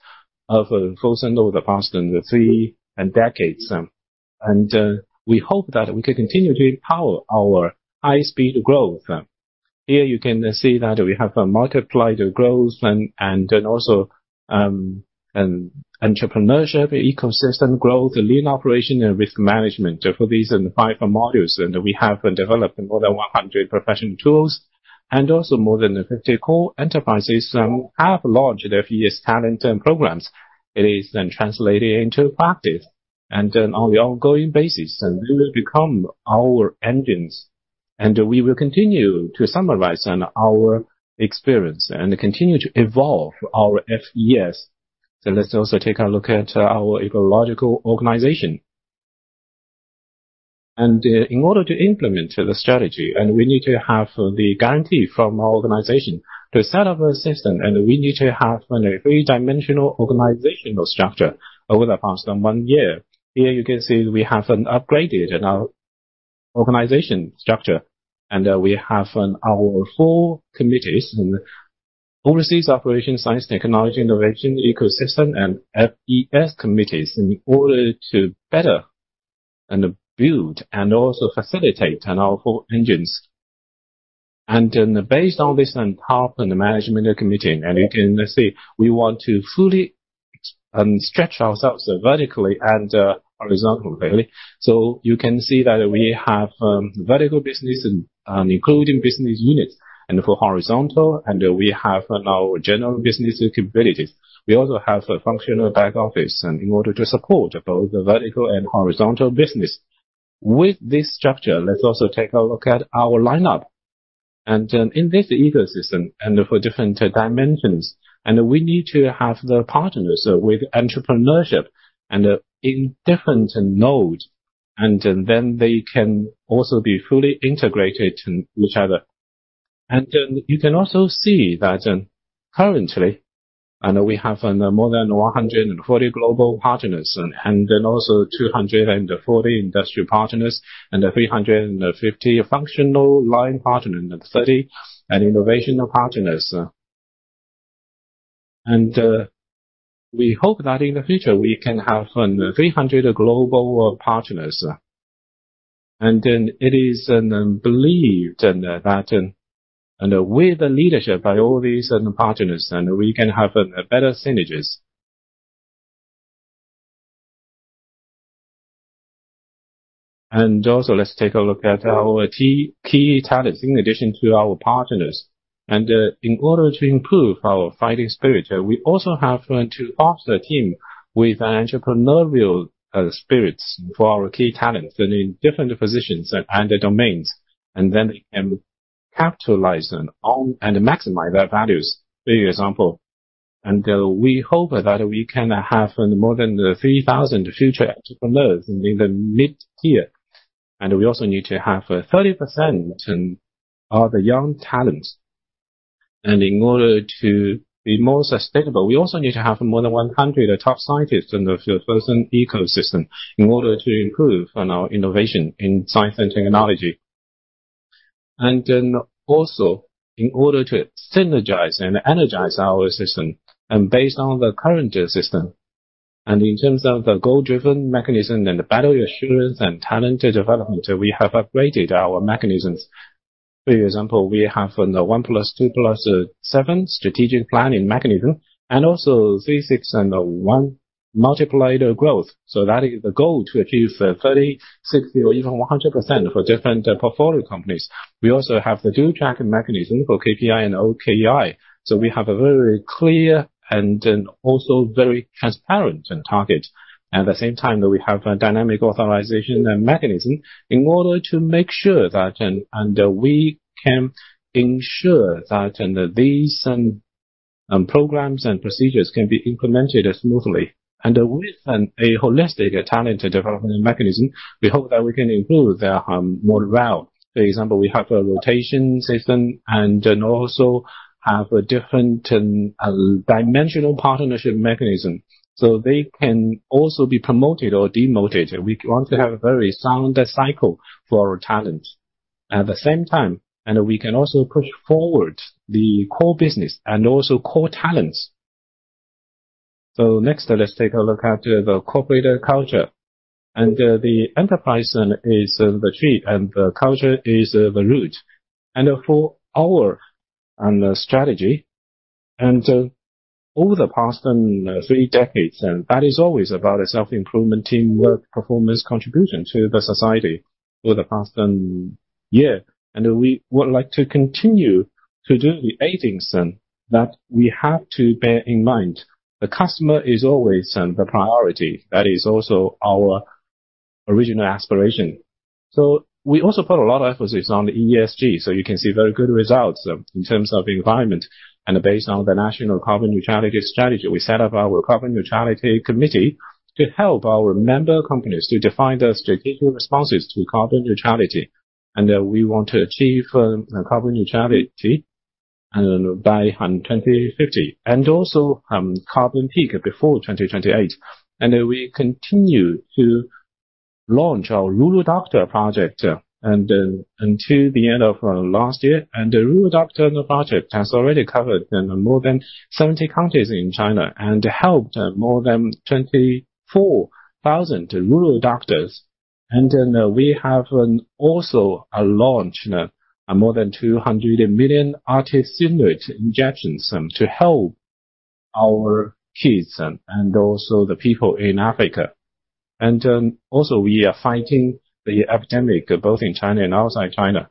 of Fosun over the past three decades. We hope that we can continue to empower our high-speed growth. Here you can see that we have multiplied growth and also entrepreneurship, ecosystem growth, lean operation, and risk management. For these five modules, we have developed more than 100 professional tools. More than 50 core enterprises have launched FES talent programs. It is translated into practice. On the ongoing basis, they will become our engines. We will continue to summarize on our experience and continue to evolve our FES. Let's also take a look at our ecosystem organization. In order to implement the strategy, we need to have the guarantee from our organization to set up a system, and we need to have a three-dimensional organizational structure over the past one year. Here you can see we have an upgrade in our organization structure, and we have our four committees, overseas operations, science and technology, innovation, ecosystem, and FES committees in order to better build and also facilitate on our four engines. Based on this and talk about the management committee, you can see we want to fully stretch ourselves vertically and horizontally. You can see that we have vertical business and including business units and the horizontal, and we have our general business capabilities. We also have a functional back office in order to support both the vertical and horizontal business. With this structure, let's also take a look at our lineup. In this ecosystem and the different dimensions, we need to have the partners with entrepreneurship and in different nodes, and then they can also be fully integrated with each other. Then you can also see that currently we have more than 140 global partners, and then also 240 industrial partners and 350 functional line partners and 30 innovation partners. We hope that in the future we can have 300 global partners. It is believed that with the leadership by all these partners, we can have better synergies. Let's take a look at our key talents in addition to our partners. In order to improve our fighting spirit, we also have to offer teams with entrepreneurial spirits for our key talents in different positions and domains, and then capitalize and maximize their values. For example, we hope that we can have more than 3,000 future entrepreneurs in the mid-tier. We also need to have 30% of the young talents. In order to be more sustainable, we also need to have more than 100 top scientists in the first ecosystem in order to improve on our innovation in science and technology. In order to synergize and energize our system and based on the current system and in terms of the goal-driven mechanism and the battle assurance and talent development, we have upgraded our mechanisms. For example, we have the one plus two plus seven strategic planning mechanism and also three six and one multiplier growth. That is the goal to achieve 30%, 60% or even 100% for different portfolio companies. We also have the two-track mechanism for KPI and OKR. We have a very clear and also very transparent target. At the same time, we have dynamic authorization mechanism in order to make sure that, and we can ensure that these, programs and procedures can be implemented smoothly. With a holistic talent development mechanism, we hope that we can improve their moral route. For example, we have a rotation system and then also have a different dimensional partnership mechanism, so they can also be promoted or demoted. We want to have a very sound cycle for our talent. At the same time, we can also push forward the core business and also core talents. Next, let's take a look at the corporate culture and the enterprise is the tree and the culture is the root. For our strategy and over the past three decades, that is always about self-improvement, teamwork, performance, contribution to the society for the past year. We would like to continue to do the eight things that we have to bear in mind. The customer is always the priority. That is also our original aspiration. We also put a lot of emphasis on the ESG, so you can see very good results in terms of environment. Based on the national carbon neutrality strategy, we set up our carbon neutrality committee to help our member companies to define the strategic responses to carbon neutrality. We want to achieve carbon neutrality by 2050 and also carbon peak before 2028. We continue to launch our Rural Doctor project, and until the end of last year the Rural Doctor project has already covered more than 70 counties in China and helped more than 24,000 rural doctors. Then we have also launched more than 200 million artesunate injections to help our kids and also the people in Africa. We are fighting the epidemic both in China and outside China.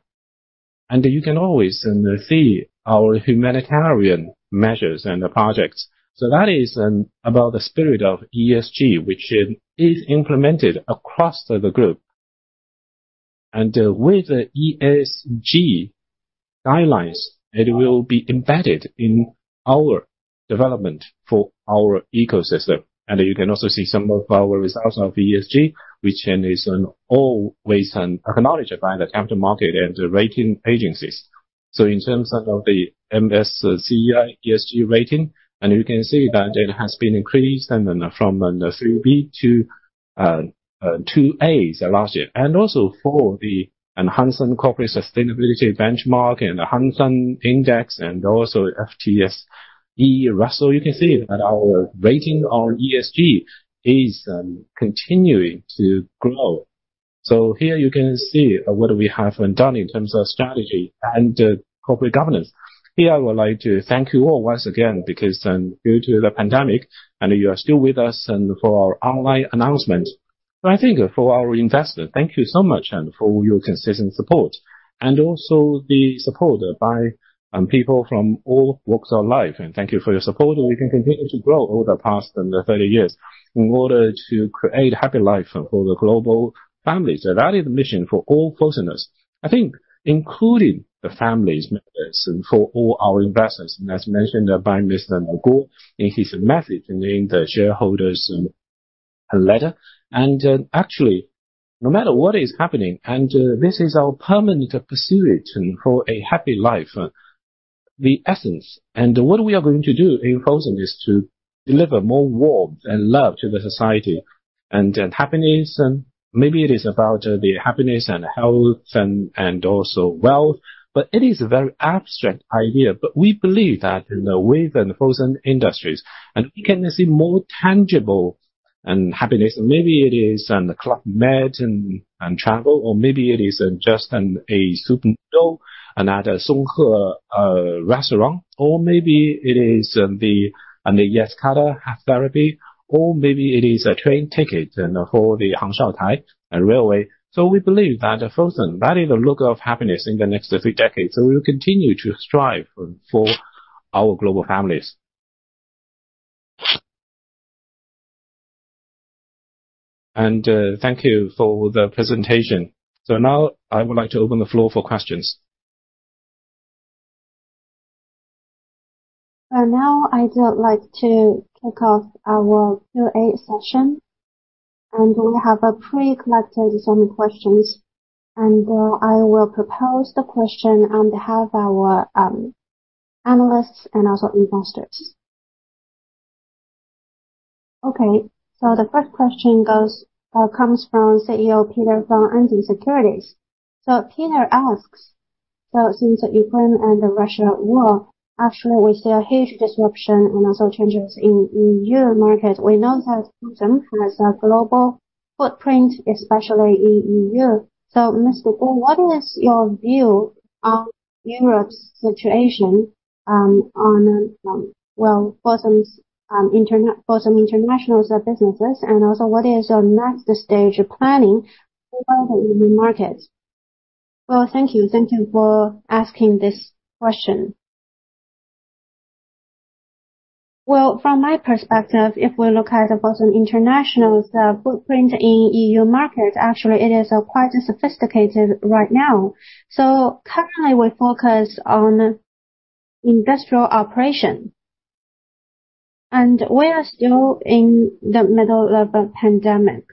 You can always see our humanitarian measures and the projects. That is about the spirit of ESG, which is implemented across the group. With the ESG guidelines, it will be embedded in our development for our ecosystem. You can also see some of our results of ESG, which is always acknowledged by the capital market and the rating agencies. In terms of the MSCI ESG rating, you can see that it has been increased from BBB to AA last year. For the Hang Seng Corporate Sustainability Benchmark and Hang Seng Index and also FTSE Russell. You can see that our rating on ESG is continuing to grow. Here you can see what we have done in terms of strategy and corporate governance. Here I would like to thank you all once again because due to the pandemic you are still with us for our online announcement. I thank our investors. Thank you so much for your consistent support. Also the support by people from all walks of life. Thank you for your support. We can continue to grow over the past 30 years in order to create happy life for the global families. That is the mission for all Fosunners in us. I think including the families and for all our investors, and as mentioned by Mr. Ngo in his message in the shareholders letter. Actually, no matter what is happening, this is our permanent pursuit for a happy life, the essence. What we are going to do in Fosun is to deliver more warmth and love to the society and happiness. Maybe it is about the happiness and health, also wealth, but it is a very abstract idea. We believe that in the way that Fosun Industries we can see more tangible happiness. Maybe it is Club Med and travel, or maybe it is just a soup noodle at a Song He Lou restaurant. Or maybe it is the CAR-T cell therapy, or maybe it is a train ticket for the Hangzhou-Shaoxing-Taizhou Railway. We believe that COFR, that is the look of happiness in the next three decades, and we will continue to strive for our global families. Thank you for the presentation. Now I would like to open the floor for questions. Now I'd like to kick off our Q&A session, and we have pre-collected some questions, and I will pose the question on behalf of our analysts and also investors. Okay. The first question comes from Analyst Peter from Essence Securities. Peter asks, "Since the Ukraine and Russia war, actually we see a huge disruption and also changes in European Union market. We know that Fosun has a global footprint, especially in European Union. Mr. Guo, what is your view on Europe's situation, on well, Fosun's Fosun International's businesses, and also what is your next stage of planning for the European Union market?" Well, thank you. Thank you for asking this question. Well, from my perspective, if we look at Fosun International's footprint in European Union market, actually it is quite sophisticated right now. Currently we focus on industrial operation. We are still in the middle of a pandemic.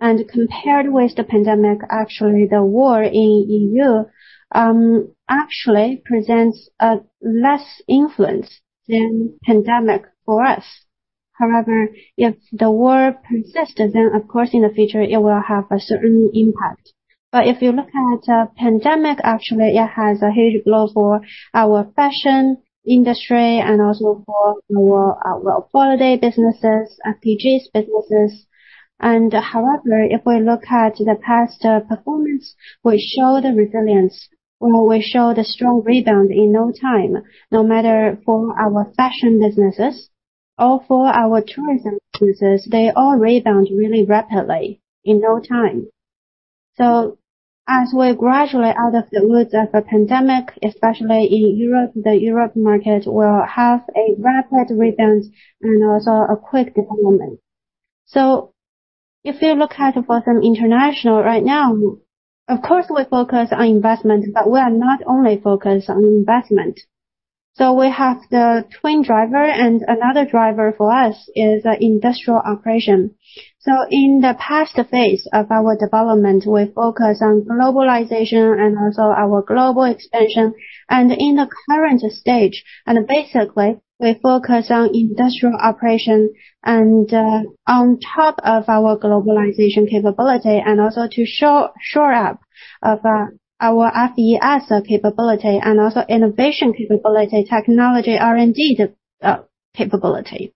Compared with the pandemic, actually the war in European Union actually presents a less influence than pandemic for us. However, if the war persists, then of course in the future it will have a certain impact. If you look at pandemic, actually it has a huge blow for our fashion industry and also for our holiday businesses, FTG's businesses. However, if we look at the past performance, we show the resilience or we show the strong rebound in no time, no matter for our fashion businesses or for our tourism businesses. They all rebound really rapidly in no time. As we gradually out of the woods of the pandemic, especially in Europe, the Europe market will have a rapid rebound and also a quick development. If you look at Fosun International right now, of course we focus on investment, but we are not only focused on investment. We have the twin driver and another driver for us is industrial operation. In the past phase of our development, we focus on globalization and also our global expansion. In the current stage, and basically, we focus on industrial operation and, on top of our globalization capability and also to shore up of, our FDS capability and also innovation capability, technology R&D, capability.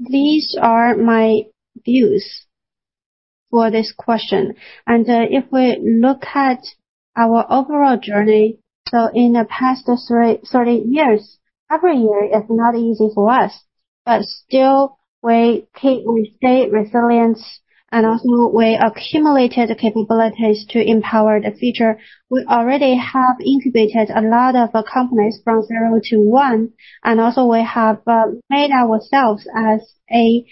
These are my views for this question. If we look at our overall journey, so in the past 30 years, every year is not easy for us. Still, we stay resilient, and also we accumulated the capabilities to empower the future. We already have incubated a lot of companies from zero to one, and also we have made ourselves as a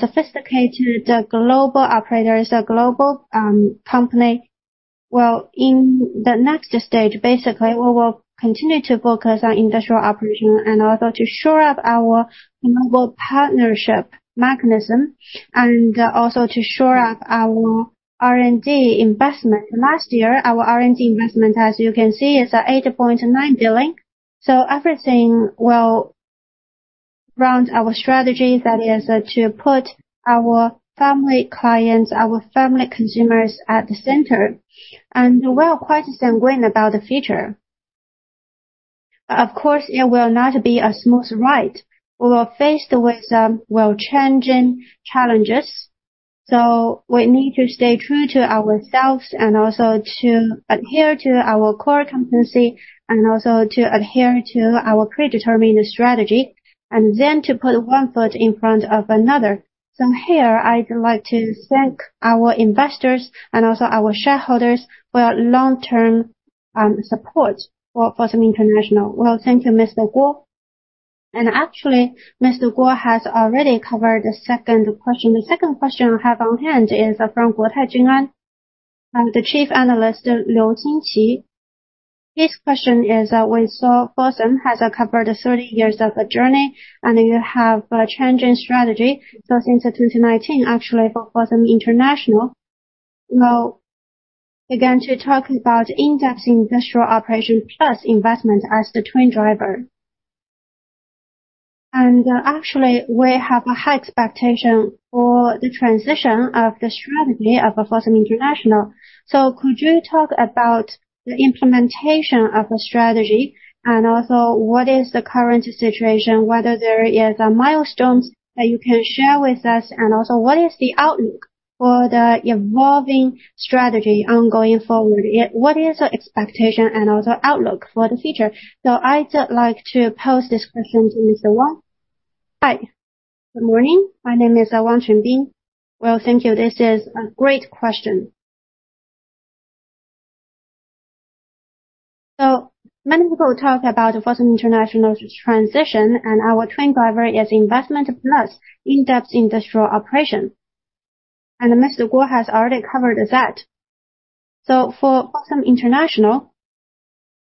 sophisticated global operator, as a global company. Well, in the next stage, basically, we will continue to focus on industrial operation and also to shore up our global partnership mechanism and also to shore up our R&D investment. Last year, our R&D investment, as you can see, is at 8.9 billion. Everything will revolve around our strategy that is to put our family clients, our family consumers at the center. We're quite sanguine about the future. Of course, it will not be a smooth ride. We are faced with well, challenging challenges. We need to stay true to ourselves and also to adhere to our core competency and also to adhere to our predetermined strategy, and then to put one foot in front of another. Here I'd like to thank our investors and also our shareholders for your long-term support for Fosun International. Well, thank you, Mr. Guo. Actually, Mr. Guo has already covered the second question. The second question I have on hand is from Guotai Junan, the chief analyst, Liu Xinqi. His question is, we saw Fosun has covered 30 years of a journey and you have a changing strategy. Since 2019 actually for Fosun International, well, again, to talk about in-depth industrial operation plus investment as the twin driver. Actually, we have a high expectation for the transition of the strategy of Fosun International. Could you talk about the implementation of a strategy and also what is the current situation, whether there is milestones that you can share with us? Also what is the outlook for the evolving strategy going forward? What is your expectation and also outlook for the future? I'd like to pose this question to Mr. Wang Qunbin. Hi, good morning. My name is Wang Qunbin. Well, thank you. This is a great question. Many people talk about Fosun International's transition, and our twin driver is investment plus in-depth industrial operation. Mr. Guo Guangchang has already covered that. For Fosun International,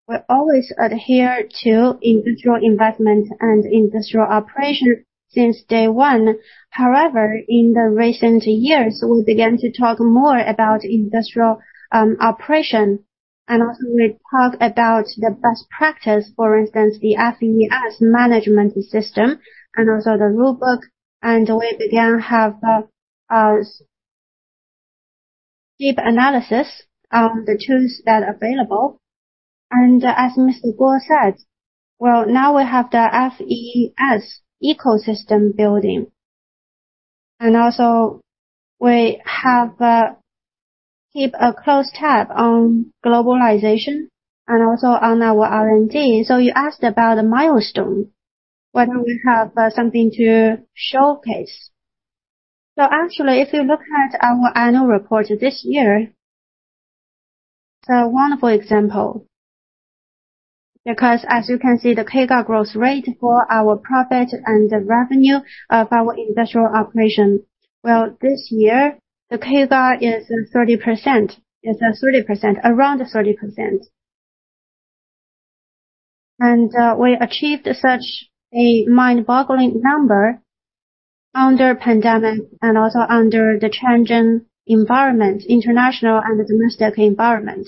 we always adhere to industrial investment and industrial operation since day one. However, in the recent years, we began to talk more about industrial operation, and also we talk about the best practice, for instance, the FES management system and also the rule book. We began to have deep analysis of the tools that are available. As Mr. Guo said, well, now we have the FES ecosystem building. We have keep a close tab on globalization and also on our R&D. You asked about the milestone, whether we have something to showcase. Actually, if you look at our annual report this year, it's a wonderful example, because as you can see, the CAGR growth rate for our profit and the revenue of our industrial operation. Well, this year, the CAGR is 30%. It's 30%. Around 30%. We achieved such a mind-boggling number under pandemic and also under the changing environment, international and domestic environment.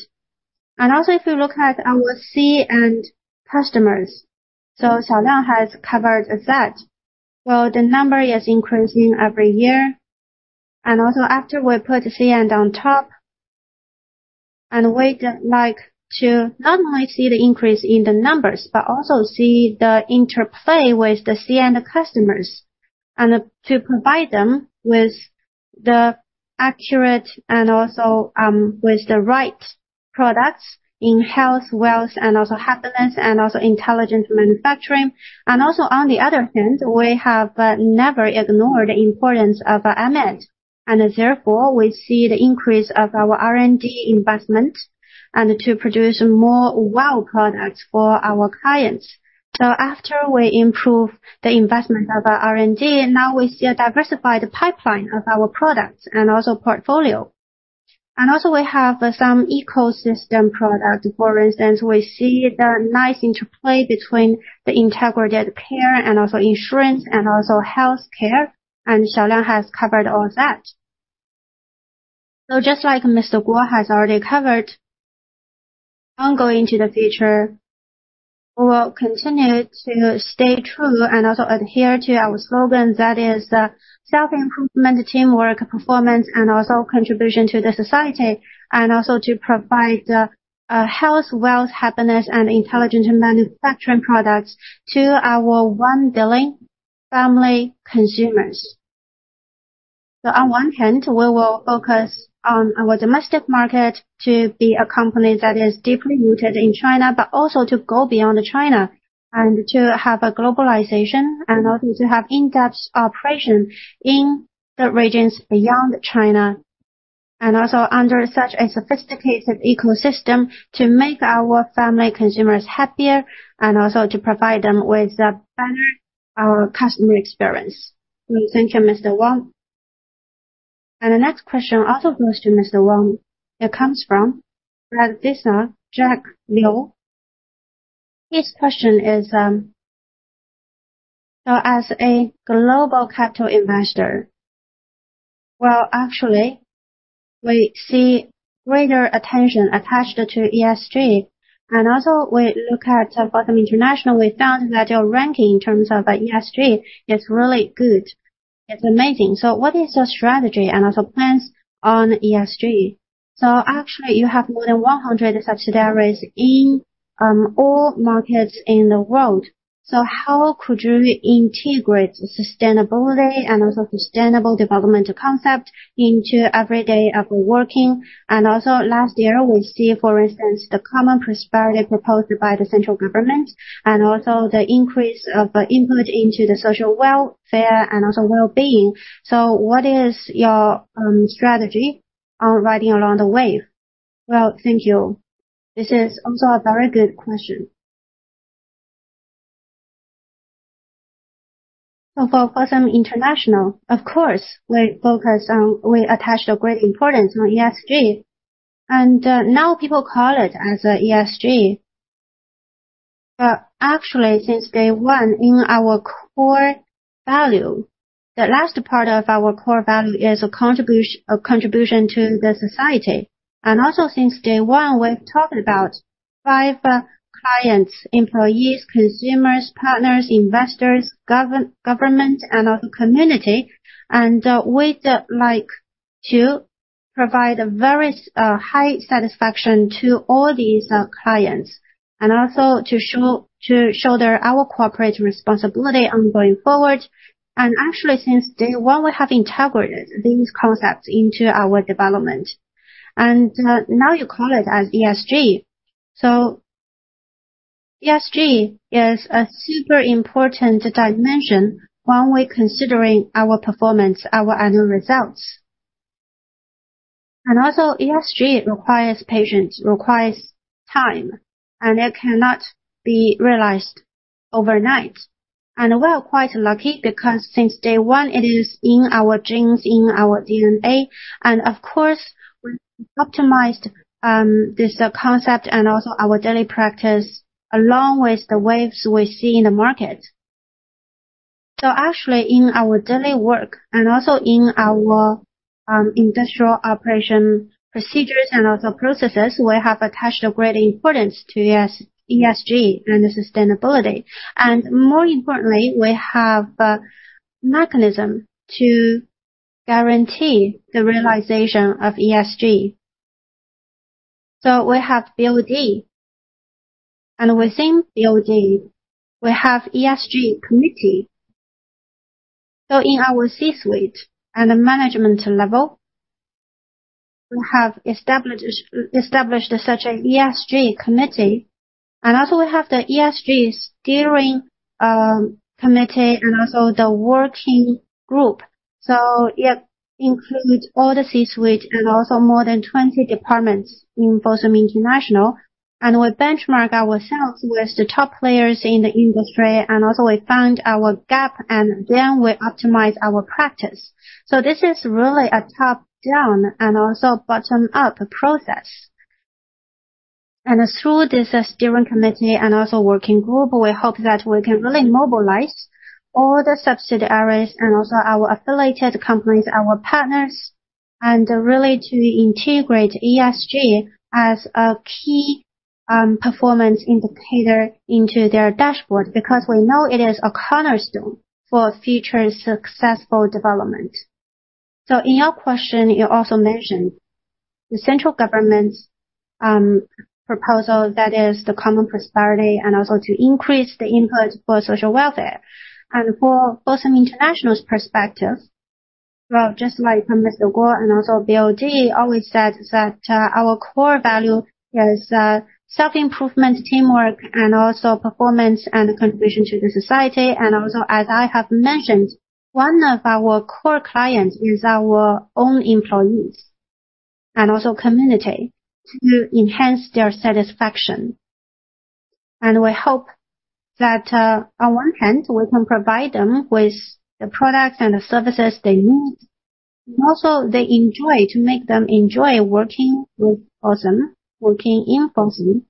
If you look at our C-end customers, Xiaoliang has covered that. Well, the number is increasing every year. After we put C-end on top, we'd like to not only see the increase in the numbers, but also see the interplay with the C-end customers and to provide them with the accurate and also with the right products in health, wealth, and also happiness and also intelligent manufacturing. On the other hand, we have never ignored the importance of an asset. Therefore, we see the increase of our R&D investment and to produce more wow products for our clients. After we improve the investment of our R&D, now we see a diversified pipeline of our products and also portfolio. We have some ecosystem product. For instance, we see the nice interplay between the integrated care and also insurance and also healthcare. Xu Xiaoliang has covered all that. Just like Mr. Guo has already covered. On going to the future, we will continue to stay true and also adhere to our slogan that is self-improvement, teamwork, performance, and also contribution to the society, and also to provide the health, wealth, happiness, and intelligent manufacturing products to our 1 billion family consumers. On one hand, we will focus on our domestic market to be a company that is deeply rooted in China, but also to go beyond China and to have a globalization and also to have in-depth operation in the regions beyond China. Under such a sophisticated ecosystem to make our family consumers happier and also to provide them with a better customer experience. Thank you, Mr. Wang. The next question also goes to Mr. Wang. It comes from Radissa, Jack Lu. His question is, so as a global capital investor, well, actually, we see greater attention attached to ESG. Also we look at Fosun International, we found that your ranking in terms of ESG is really good. It's amazing. What is your strategy and also plans on ESG? Actually you have more than 100 subsidiaries in all markets in the world. How could you integrate sustainability and also sustainable development concept into every day of working? Also last year, we see, for instance, the common prosperity proposed by the central government and also the increase of input into the social welfare and also well-being. What is your strategy on riding along the wave? Well, thank you. This is also a very good question. For Fosun International, of course, we attach a great importance on ESG, and now people call it as ESG. Actually, since day one, in our core value, the last part of our core value is a contribution to the society. Also since day one, we've talked about five clients, employees, consumers, partners, investors, government, and also community. We'd like to provide a very high satisfaction to all these clients and also to show our corporate responsibility on going forward. Actually, since day one, we have integrated these concepts into our development. Now you call it as ESG. ESG is a super important dimension when we're considering our performance, our annual results. Also, ESG requires patience, requires time, and it cannot be realized overnight. We're quite lucky because since day one, it is in our genes, in our DNA. Of course, we optimized this concept and also our daily practice along with the waves we see in the market. Actually, in our daily work and also in our industrial operation procedures and also processes, we have attached a great importance to ESG and sustainability. More importantly, we have a mechanism to guarantee the realization of ESG. We have BOD, and within BOD, we have ESG committee. In our C-suite and management level, we have established such an ESG committee. Also we have the ESG steering committee and also the working group. It includes all the C-suite and also more than 20 departments in Fosun International. We benchmark ourselves with the top players in the industry, and also we find our gap, and then we optimize our practice. This is really a top-down and also bottom-up process. Through this steering committee and also working group, we hope that we can really mobilize all the subsidiaries and also our affiliated companies, our partners, and really to integrate ESG as a key performance indicator into their dashboard, because we know it is a cornerstone for future successful development. In your question, you also mentioned the central government's proposal, that is the common prosperity and also to increase the input for social welfare. For Fosun International's perspective, well, just like Mr. Guo and also BOD always said that our core value is self-improvement, teamwork, and also performance and contribution to the society. Also, as I have mentioned, one of our core clients is our own employees and also community to enhance their satisfaction. We hope that, on one hand, we can provide them with the products and the services they need, and also to make them enjoy working with Fosun, working in Fosun.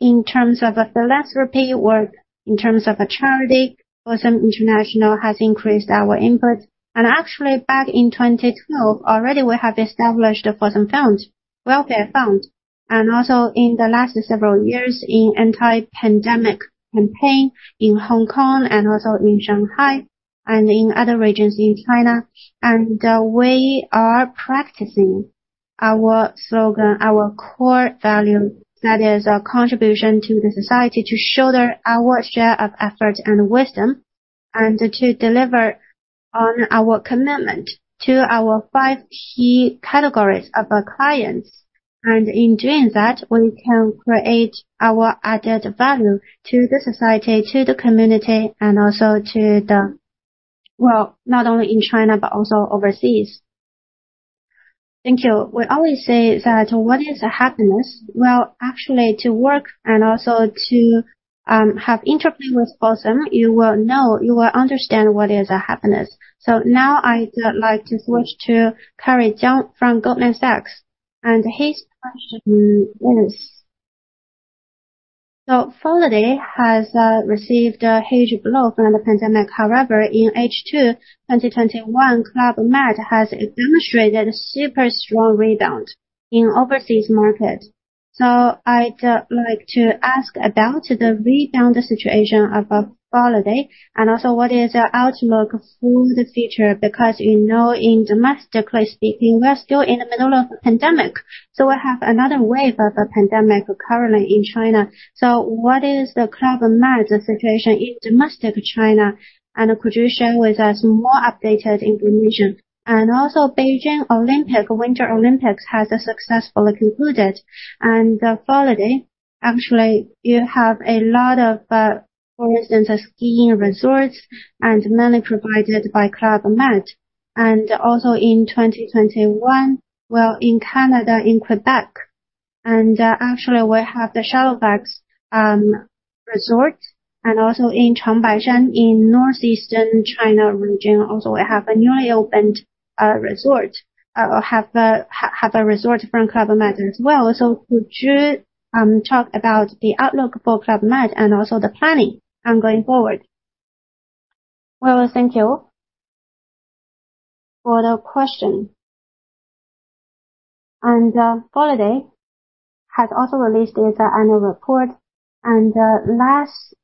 In terms of philanthropy work, in terms of charity, Fosun International has increased our input. Actually, back in 2012, already we have established Fosun Foundation, welfare fund, and also in the last several years in anti-pandemic campaign in Hong Kong and also in Shanghai and in other regions in China. We are practicing our slogan, our core value, that is our contribution to the society, to shoulder our share of effort and wisdom, and to deliver on our commitment to our five key categories of our clients. In doing that, we can create our added value to the society, to the community, and also to the well, not only in China, but also overseas. Thank you. We always say that what is happiness? Well, actually, to work and also to have interplay with Fosunners, you will know, you will understand what is happiness. Now I'd like to switch to Carrie Zhang from Goldman Sachs, and his question is. Foliday has received a huge blow from the pandemic. However, in H2 2021, Club Med has demonstrated super strong rebound in overseas market. I'd like to ask about the rebound situation of Foliday and also what is your outlook for the future? Because, you know, in domestic speaking, we are still in the middle of pandemic. We have another wave of a pandemic currently in China. What is the Club Med situation in domestic China? Could you share with us more updated information? Beijing Winter Olympics has successfully concluded. Holiday, actually, you have a lot of, for instance, skiing resorts and many provided by Club Med. In 2021, well, in Canada, in Quebec, and, actually, we have the Charlevoix resort and also in Changbaishan in northeastern China region. Also, we have a newly opened resort. Have a resort from Club Med as well. Could you talk about the outlook for Club Med and also the planning going forward? Well, thank you for the question. Holiday has also released its annual report. Last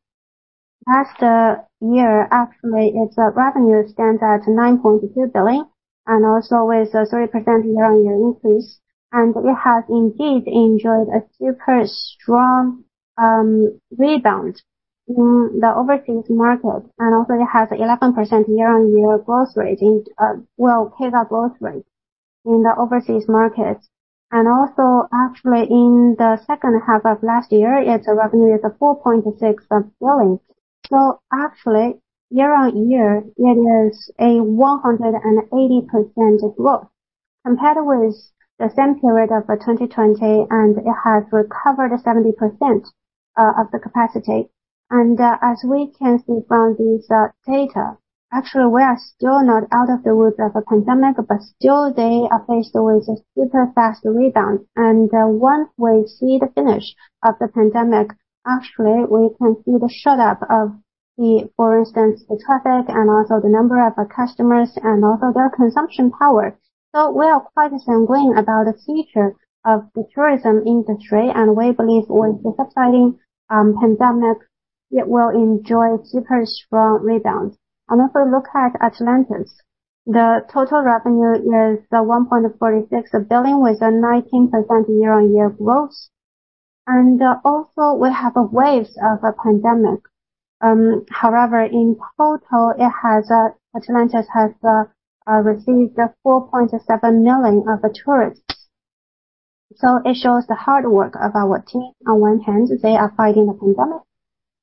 year, actually, its revenue stands at 9.2 billion and also with a 3% year-on-year increase. It has indeed enjoyed a super strong rebound in the overseas market, and also it has 11% year-on-year growth rate in, well, pay-up growth rate in the overseas markets. Actually, in the second half of last year, its revenue is 4.6 billion. Actually, year-on-year, it is a 180% growth compared with the same period of 2020, and it has recovered 70% of the capacity. As we can see from this data, actually, we are still not out of the woods of a pandemic, but still they are faced with a super fast rebound. Once we see the finish of the pandemic, actually, we can see the pick up of the, for instance, the traffic and also the number of customers and also their consumption power. We are quite sanguine about the future of the tourism industry, and we believe with the subsiding pandemic, it will enjoy super strong rebound. Look at Atlantis. The total revenue is 1.46 billion, with a 19% year-on-year growth. We have waves of a pandemic. However, in total, Atlantis has received 4.7 million tourists. It shows the hard work of our team. On one hand, they are fighting the pandemic,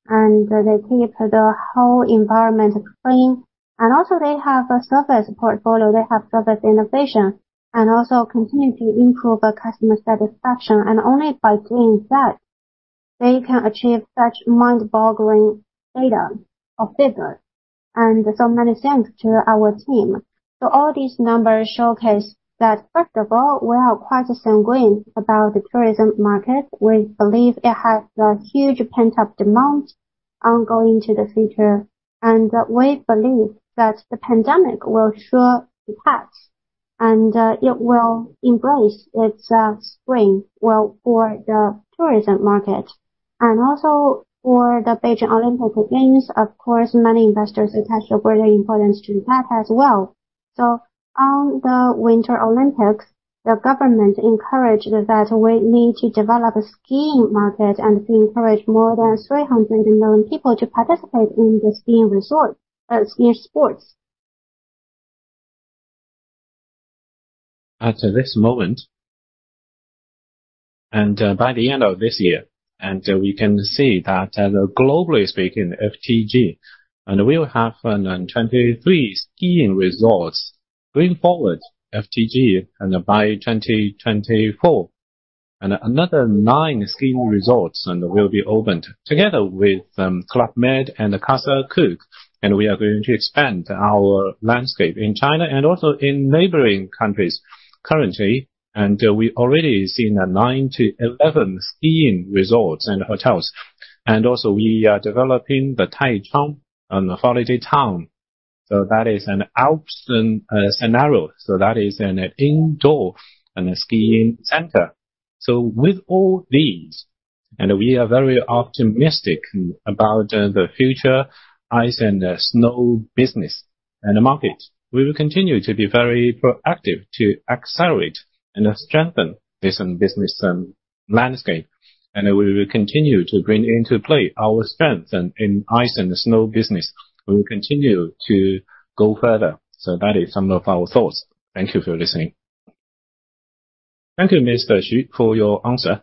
and they keep the whole environment clean. They have a service portfolio, they have service innovation, and continue to improve customer satisfaction. Only by doing that, they can achieve such mind-boggling data of business. Many thanks to our team. All these numbers showcase that, first of all, we are quite sanguine about the tourism market. We believe it has a huge pent-up demand ongoing to the future. We believe that the pandemic will surely pass, and it will embrace its spring for the tourism market. Also for the Beijing Olympic Games, of course, many investors attach a greater importance to that as well. On the Winter Olympics, the government encouraged that we need to develop a skiing market and to encourage more than 300 million people to participate in the skiing resort, ski sports. At this moment, by the end of this year, we can see that globally speaking, FTG will have 23 skiing resorts going forward, FTG, by 2024. Another nine skiing resorts will be opened together with Club Med and Casa Cook. We are going to expand our landscape in China and also in neighboring countries currently. We already seen nine skiing resorts and hotels to 11 skiing resorts and hotels. We are also developing the Taicang holiday town. That is an alpine scenario, so that is an indoor skiing center. With all these, we are very optimistic about the future ice and snow business and the market. We will continue to be very proactive to accelerate and strengthen this business landscape, and we will continue to bring into play our strength in ice and snow business. We will continue to go further. That is some of our thoughts. Thank you for listening. Thank you, Mr. Xu, for your answer.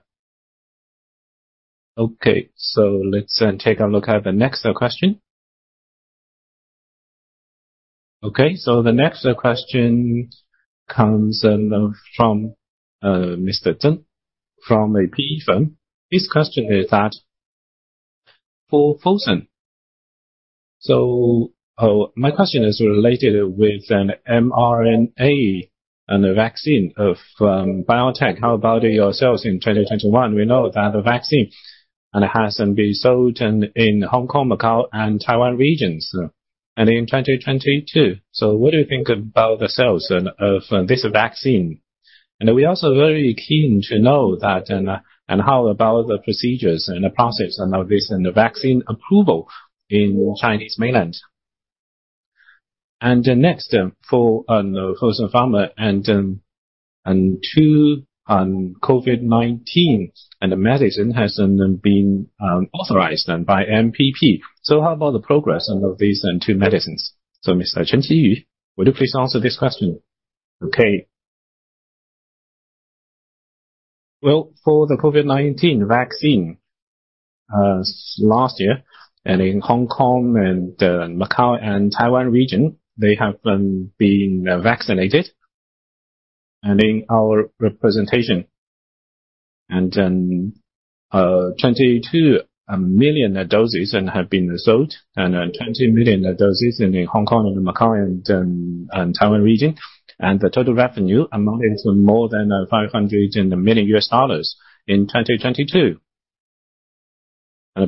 Okay, let's take a look at the next question. Okay, the next question comes from Mr. Deng from AP Firm. His question is that for Fosun. Oh, my question is related with an mRNA and a vaccine of biotech. How about your sales in 2021? We know that the vaccine and it has been sold in Hong Kong, Macau, and Taiwan regions. In 2022, what do you think about the sales of this vaccine? We're also very keen to know that, and how about the procedures and the process of this vaccine approval in Chinese mainland. Next for Fosun Pharma and two COVID-19 medicines that have been authorized by MPP. How about the progress of these two medicines? Mr. Chen Qiyu, would you please answer this question? Okay. Well, for the COVID-19 vaccine, last year in Hong Kong and Macau and Taiwan region, they have been vaccinated. In our representation, 22 million doses have been sold and 20 million doses in Hong Kong and Macau and Taiwan region. The total revenue amounted to more than $500 million in 2022.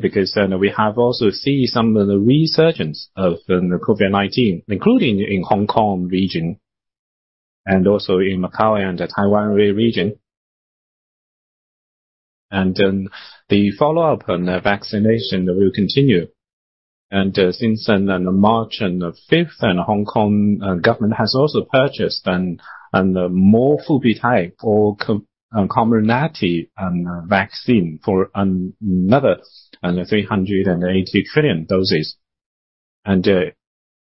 Because we have also seen some of the resurgence of the COVID-19, including in Hong Kong region and also in Macau and the Taiwan region. The follow-up on vaccination will continue. Since then, on March 5, Hong Kong government has also purchased another,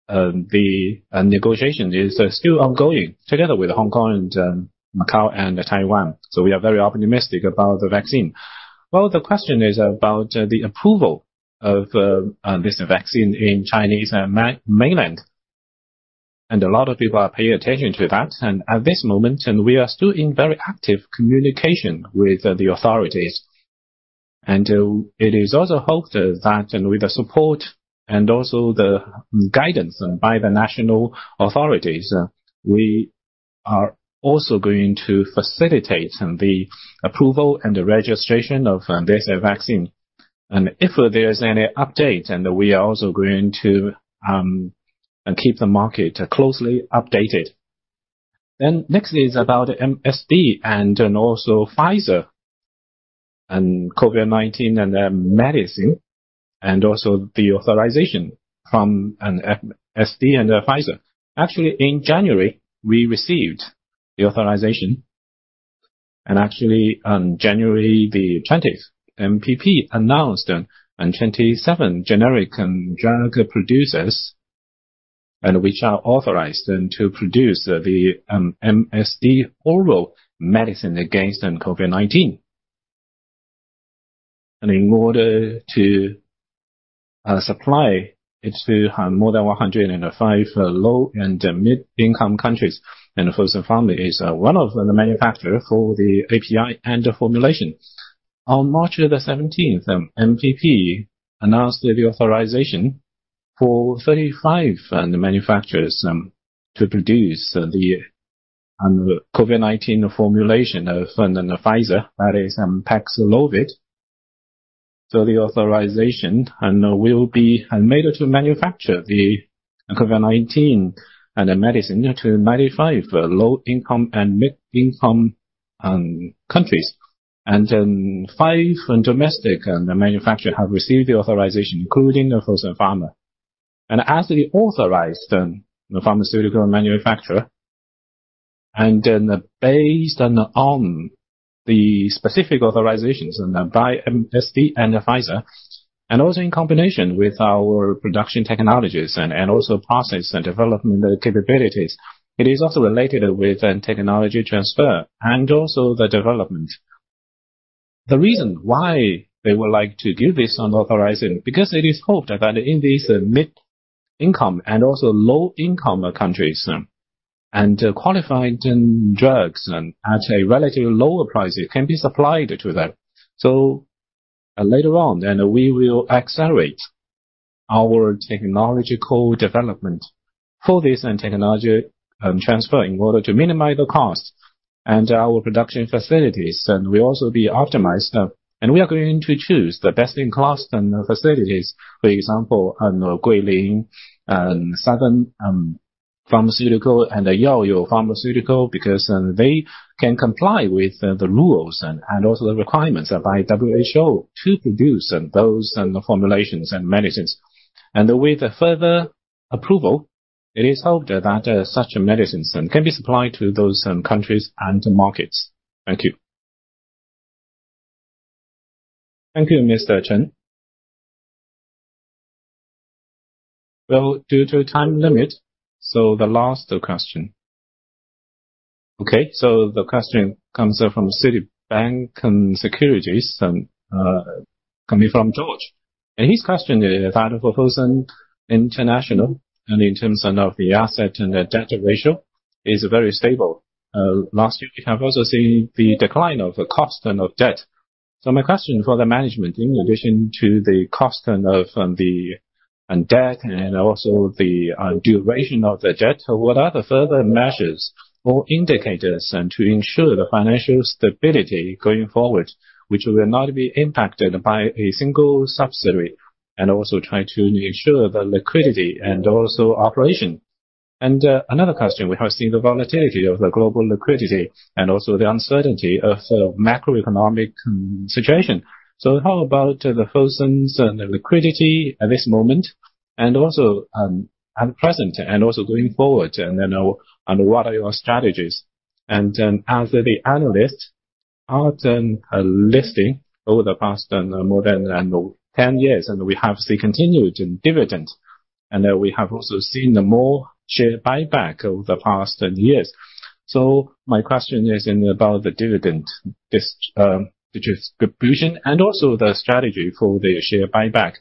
the negotiation is still ongoing together with Hong Kong and Macau and Taiwan. We are very optimistic about the vaccine. The question is about the approval of this vaccine in Chinese mainland, and a lot of people are paying attention to that. At this moment, we are still in very active communication with the authorities. It is also hoped that with the support and also the guidance by the national authorities, we are also going to facilitate the approval and the registration of this vaccine. If there is any update, we are also going to keep the market closely updated. Next is about MSD and then also Pfizer and COVID-19 and medicine and also the authorization from MSD and Pfizer. Actually, in January, we received the authorization. Actually on January 20th, MPP announced 27 generic drug producers which are authorized to produce the MSD oral medicine against COVID-19. In order to supply it to more than 105 low and middle-income countries, Fosun Pharma is one of the manufacturer for the API and the formulation. On March 17th, MPP announced the authorization for 35 manufacturers to produce the COVID-19 formulation of Pfizer, that is Paxlovid. The authorization and will be made to manufacture the COVID-19 and the medicine to 95 low-income and mid-income countries. Five domestic manufacturer have received the authorization, including Fosun Pharma. As the authorized pharmaceutical manufacturer and then based on the specific authorizations by MSD and Pfizer and also in combination with our production technologies and also process and development capabilities, it is also related with technology transfer and also the development. The reason why they would like to do this by authorizing, because it is hoped that in these middle-income and also low-income countries, quality drugs at a relatively lower price, it can be supplied to them. Later on, we will accelerate our technological development for this and technology transfer in order to minimize the cost and our production facilities, and we will also be optimized. We are going to choose the best-in-class facilities, for example, Guilin and Southern Pharmaceutical and the Yaoyao Pharmaceutical because they can comply with the rules and also the requirements by WHO to produce those and the formulations and medicines. With the further approval, it is hoped that such medicines can be supplied to those countries and markets. Thank you. Thank you, Mr. Chen. Well, due to time limit, the last question. Okay, the question comes from Citi Securities and coming from George. His question is about Fosun International, and in terms of the asset and the debt ratio is very stable. Last year we have also seen the decline of the cost of debt. My question for the management, in addition to the cost of the debt and also the duration of the debt. What are the further measures or indicators to ensure the financial stability going forward, which will not be impacted by a single subsidiary, and also try to ensure the liquidity and also operation? Another question. We have seen the volatility of the global liquidity and also the uncertainty of the macroeconomic situation. How about Fosun's liquidity at this moment and also at present and also going forward and then what are your strategies? As the analyst in the listing over the past and more than 10 years, we have seen continued dividends. We have also seen more share buyback over the past years. My question is about the dividend distribution and also the strategy for the share buyback.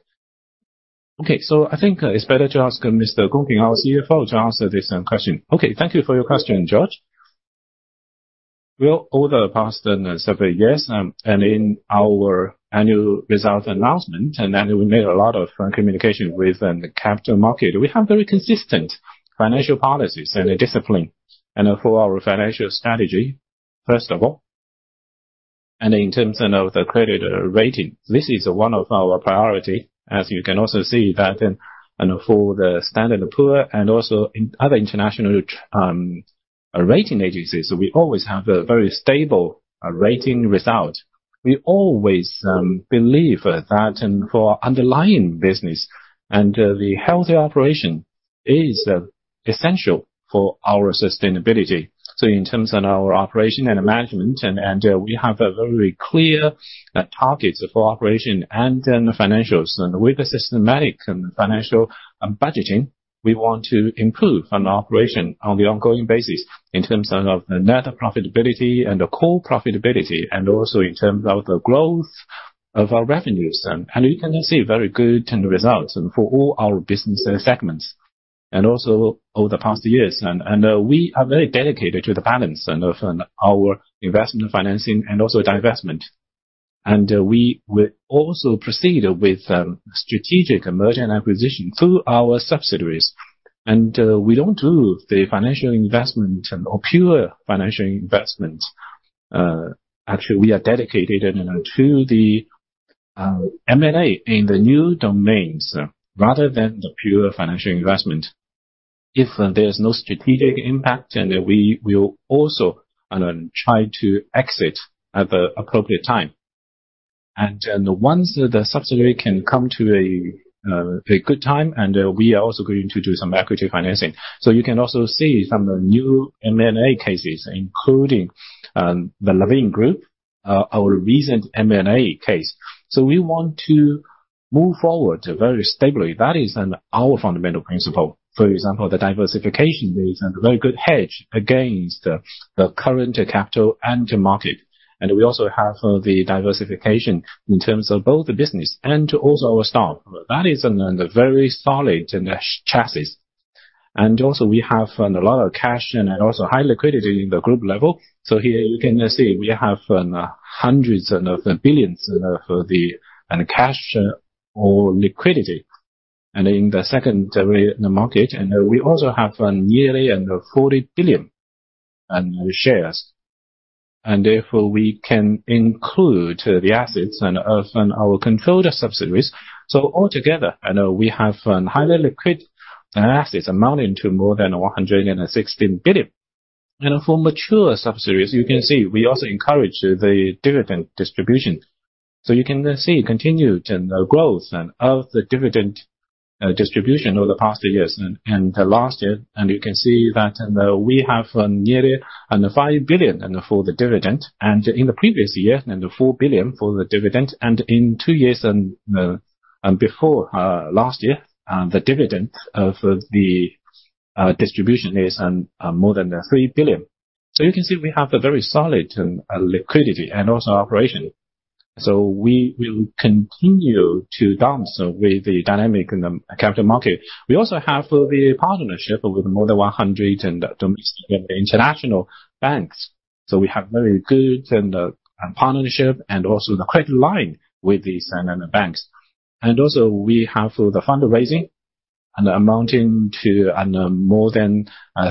Okay. I think it's better to ask Mr. Gong Ping our Chief Financial Officer to answer this question. Okay, thank you for your question, George. Over the past seven years in our annual results announcement, and then we made a lot of communication with the capital market. We have very consistent financial policies and discipline and for our financial strategy, first of all. In terms of the credit rating, this is one of our priority, as you can also see that in the Standard & Poor's and also in other international rating agencies. We always have a very stable rating result. We always believe that and for underlying business and the healthy operation is essential for our sustainability. In terms of our operation and management, we have very clear targets for operation and in financials. With the systematic and financial budgeting, we want to improve on operation on the ongoing basis in terms of net profitability and the core profitability and also in terms of the growth of our revenues. You can see very good end results for all our business segments over the past years. We are very dedicated to the balance and of our investment financing and also divestment. We will also proceed with strategic merger and acquisition through our subsidiaries. We don't do the financial investment or pure financial investments. Actually, we are dedicated in to the M&A in the new domains rather than the pure financial investment. If there's no strategic impact, we will also then try to exit at the appropriate time. Once the subsidiary can come to a good time, we are also going to do some equity financing. You can also see some new M&A cases including the Livent Group, our recent M&A case. We want to move forward very stably. That is our fundamental principle. For example, the diversification is a very good hedge against the current capital market. We also have the diversification in terms of both the business and also our staff. That is a very solid chassis. We have a lot of cash and also high liquidity in the group level. Here you can see we have hundreds of billions of cash or liquidity. In the secondary market. We also have nearly 40 billion in shares. Therefore, we can include the assets of our controlled subsidiaries. Altogether, we have highly liquid assets amounting to more than 116 billion. For mature subsidiaries, you can see we also encourage the dividend distribution. You can see continued growth of the dividend distribution over the past years and the last year. You can see that we have nearly 5 billion for the dividend, in the previous year, the 4 billion for the dividend, in two years before last year, the dividend distribution is more than 3 billion. You can see we have a very solid liquidity and also operation. We will continue to dance with the dynamic in the capital market. We also have the partnership with more than 100 domestic and international banks. We have very good and partnership and also the credit line with these and banks. We also have the fundraising amounting to more than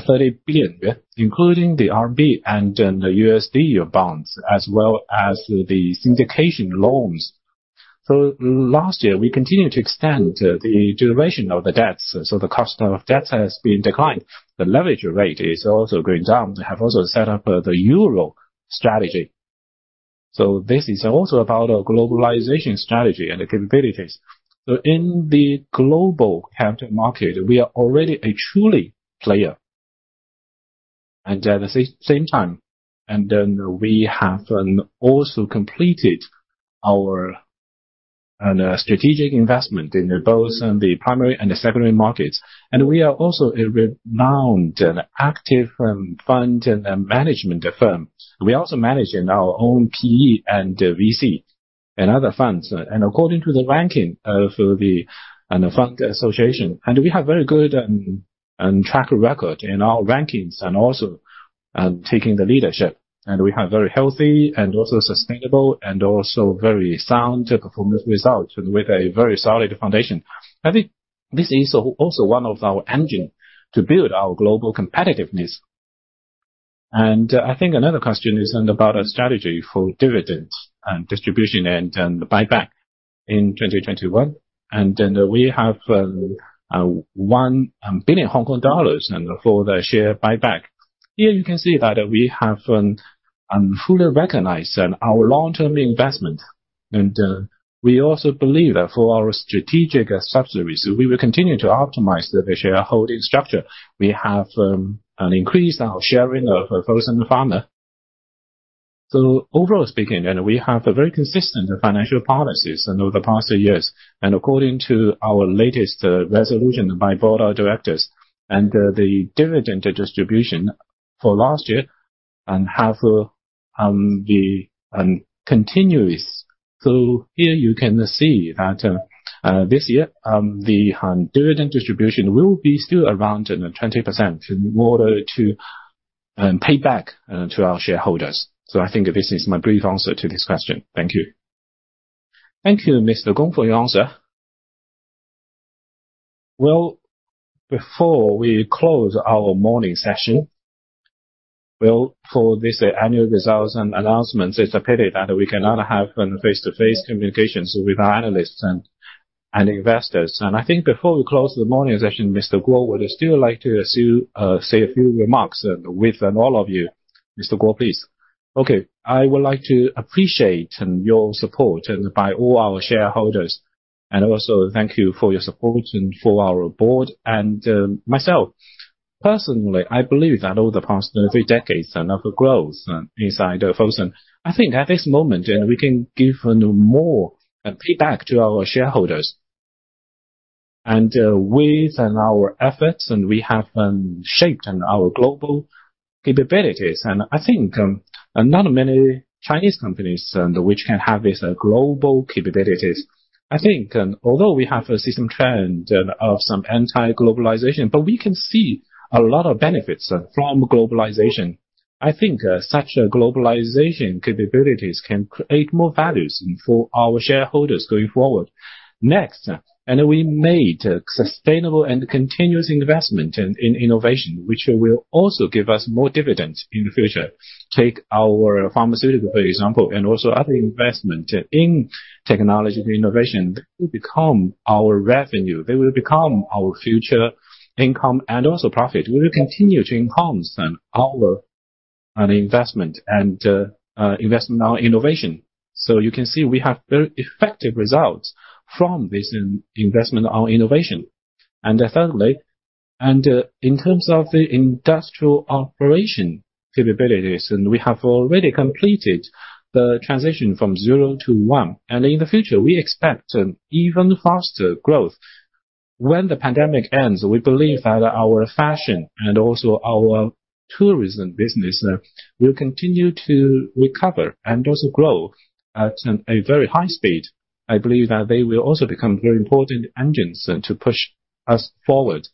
30 billion, including the RMB and the U.S.$ bonds, as well as the syndication loans. Last year, we continued to extend the duration of the debts, so the cost of debt has been declined. The leverage rate is also going down. We have also set up the EUR strategy. This is also about our globalization strategy and capabilities. In the global capital market, we are already a true player. At the same time, we have also completed our... A strategic investment in both the primary and secondary markets. We are also a renowned and active fund and management firm. We also manage in our own PE and VC and other funds. According to the ranking of the Fund Association. We have very good track record in our rankings, and also taking the leadership. We have very healthy and also sustainable and also very sound performance results, and with a very solid foundation. I think this is also one of our engine to build our global competitiveness. I think another question is about our strategy for dividends and distribution and the buyback in 2021. Then we have 1 billion Hong Kong dollars for the share buyback. Here you can see that we have fully recognized our long-term investment. We also believe that for our strategic subsidiaries, we will continue to optimize the shareholding structure. We have increased our sharing of Fosun Pharma. Overall speaking, we have a very consistent financial policies over the past years. According to our latest resolution by board of directors, the dividend distribution for last year and have the continuous. Here you can see that this year the dividend distribution will be still around 20% in order to pay back to our shareholders. I think this is my brief answer to this question. Thank you. Thank you, Mr. Gong, for your answer. Before we close our morning session, for this annual results and announcements, it is a pity that we cannot have face-to-face communications with our analysts and investors. I think before we close the morning session, Mr. Guo would still like to say a few remarks with all of you. Mr. Guo, please. Okay. I would like to appreciate your support by all our shareholders, and also thank you for your support and for our board and myself. Personally, I believe that over the past three decades of growth inside Fosun, I think at this moment, we can give more payback to our shareholders. With our efforts, we have shaped our global capabilities. I think not many Chinese companies which can have this global capabilities. I think, although we have a systemic trend of some anti-globalization, but we can see a lot of benefits from globalization. I think such globalization capabilities can create more values for our shareholders going forward. Next, we made sustainable and continuous investment in innovation, which will also give us more dividends in the future. Take our pharmaceutical example, and also other investment in technology innovation will become our revenue. They will become our future income and also profit. We will continue to enhance our investment on innovation. You can see we have very effective results from this investment on innovation. Thirdly, in terms of the industrial operation capabilities, we have already completed the transition from zero to one. In the future, we expect an even faster growth. When the pandemic ends, we believe that our fashion and also our tourism business will continue to recover and also grow at a very high speed. I believe that they will also become very important engines to push us forward.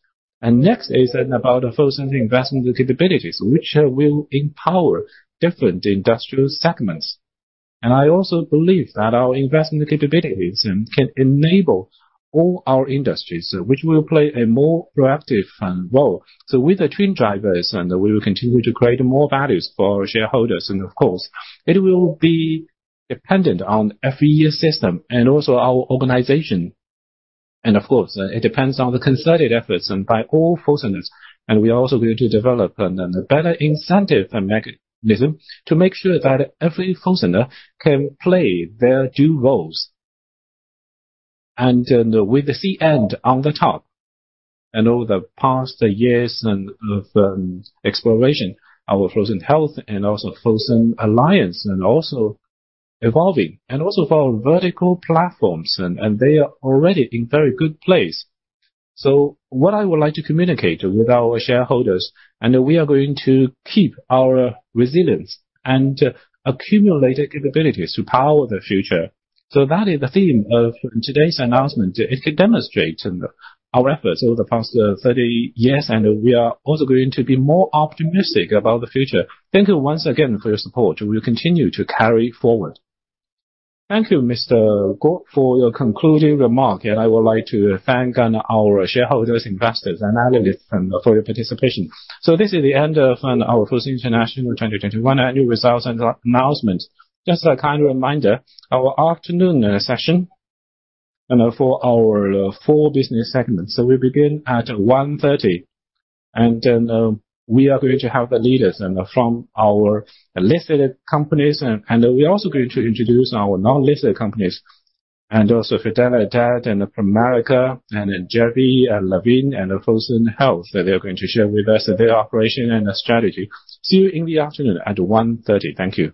Next is about Fosun's investment capabilities, which will empower different industrial segments. I also believe that our investment capabilities can enable all our industries, which will play a more proactive role. With the twin drivers, we will continue to create more values for our shareholders. Of course, it will be dependent on FES and also our organization. Of course, it depends on the concerted efforts and by all Fosunners. We are also going to develop a better incentive and mechanism to make sure that every Fosunner can play their due roles. With the C-end on the top, over the past years and exploration, our Fosun Health and also Fosun Alliance and also evolving. Also for our vertical platforms, they are already in very good place. What I would like to communicate with our shareholders, and we are going to keep our resilience and accumulated capabilities to power the future. That is the theme of today's announcement. It could demonstrate our efforts over the past 30 years, and we are also going to be more optimistic about the future. Thank you once again for your support. We will continue to carry forward. Thank you, Mr. Guo, for your concluding remark. I would like to thank our shareholders, investors and analysts for your participation. This is the end of our Fosun International 2021 annual results and announcement. Just a kind reminder, our afternoon session and for our four business segments, we begin at 1:30 P.M. We are going to have the leaders from our listed companies, and we're also going to introduce our non-listed companies, and also Fidelidade and Pramerica and Jeffy and Lanvin and Fosun Health. They are going to share with us their operation and strategy. See you in the afternoon at 1:30 P.M. Thank you.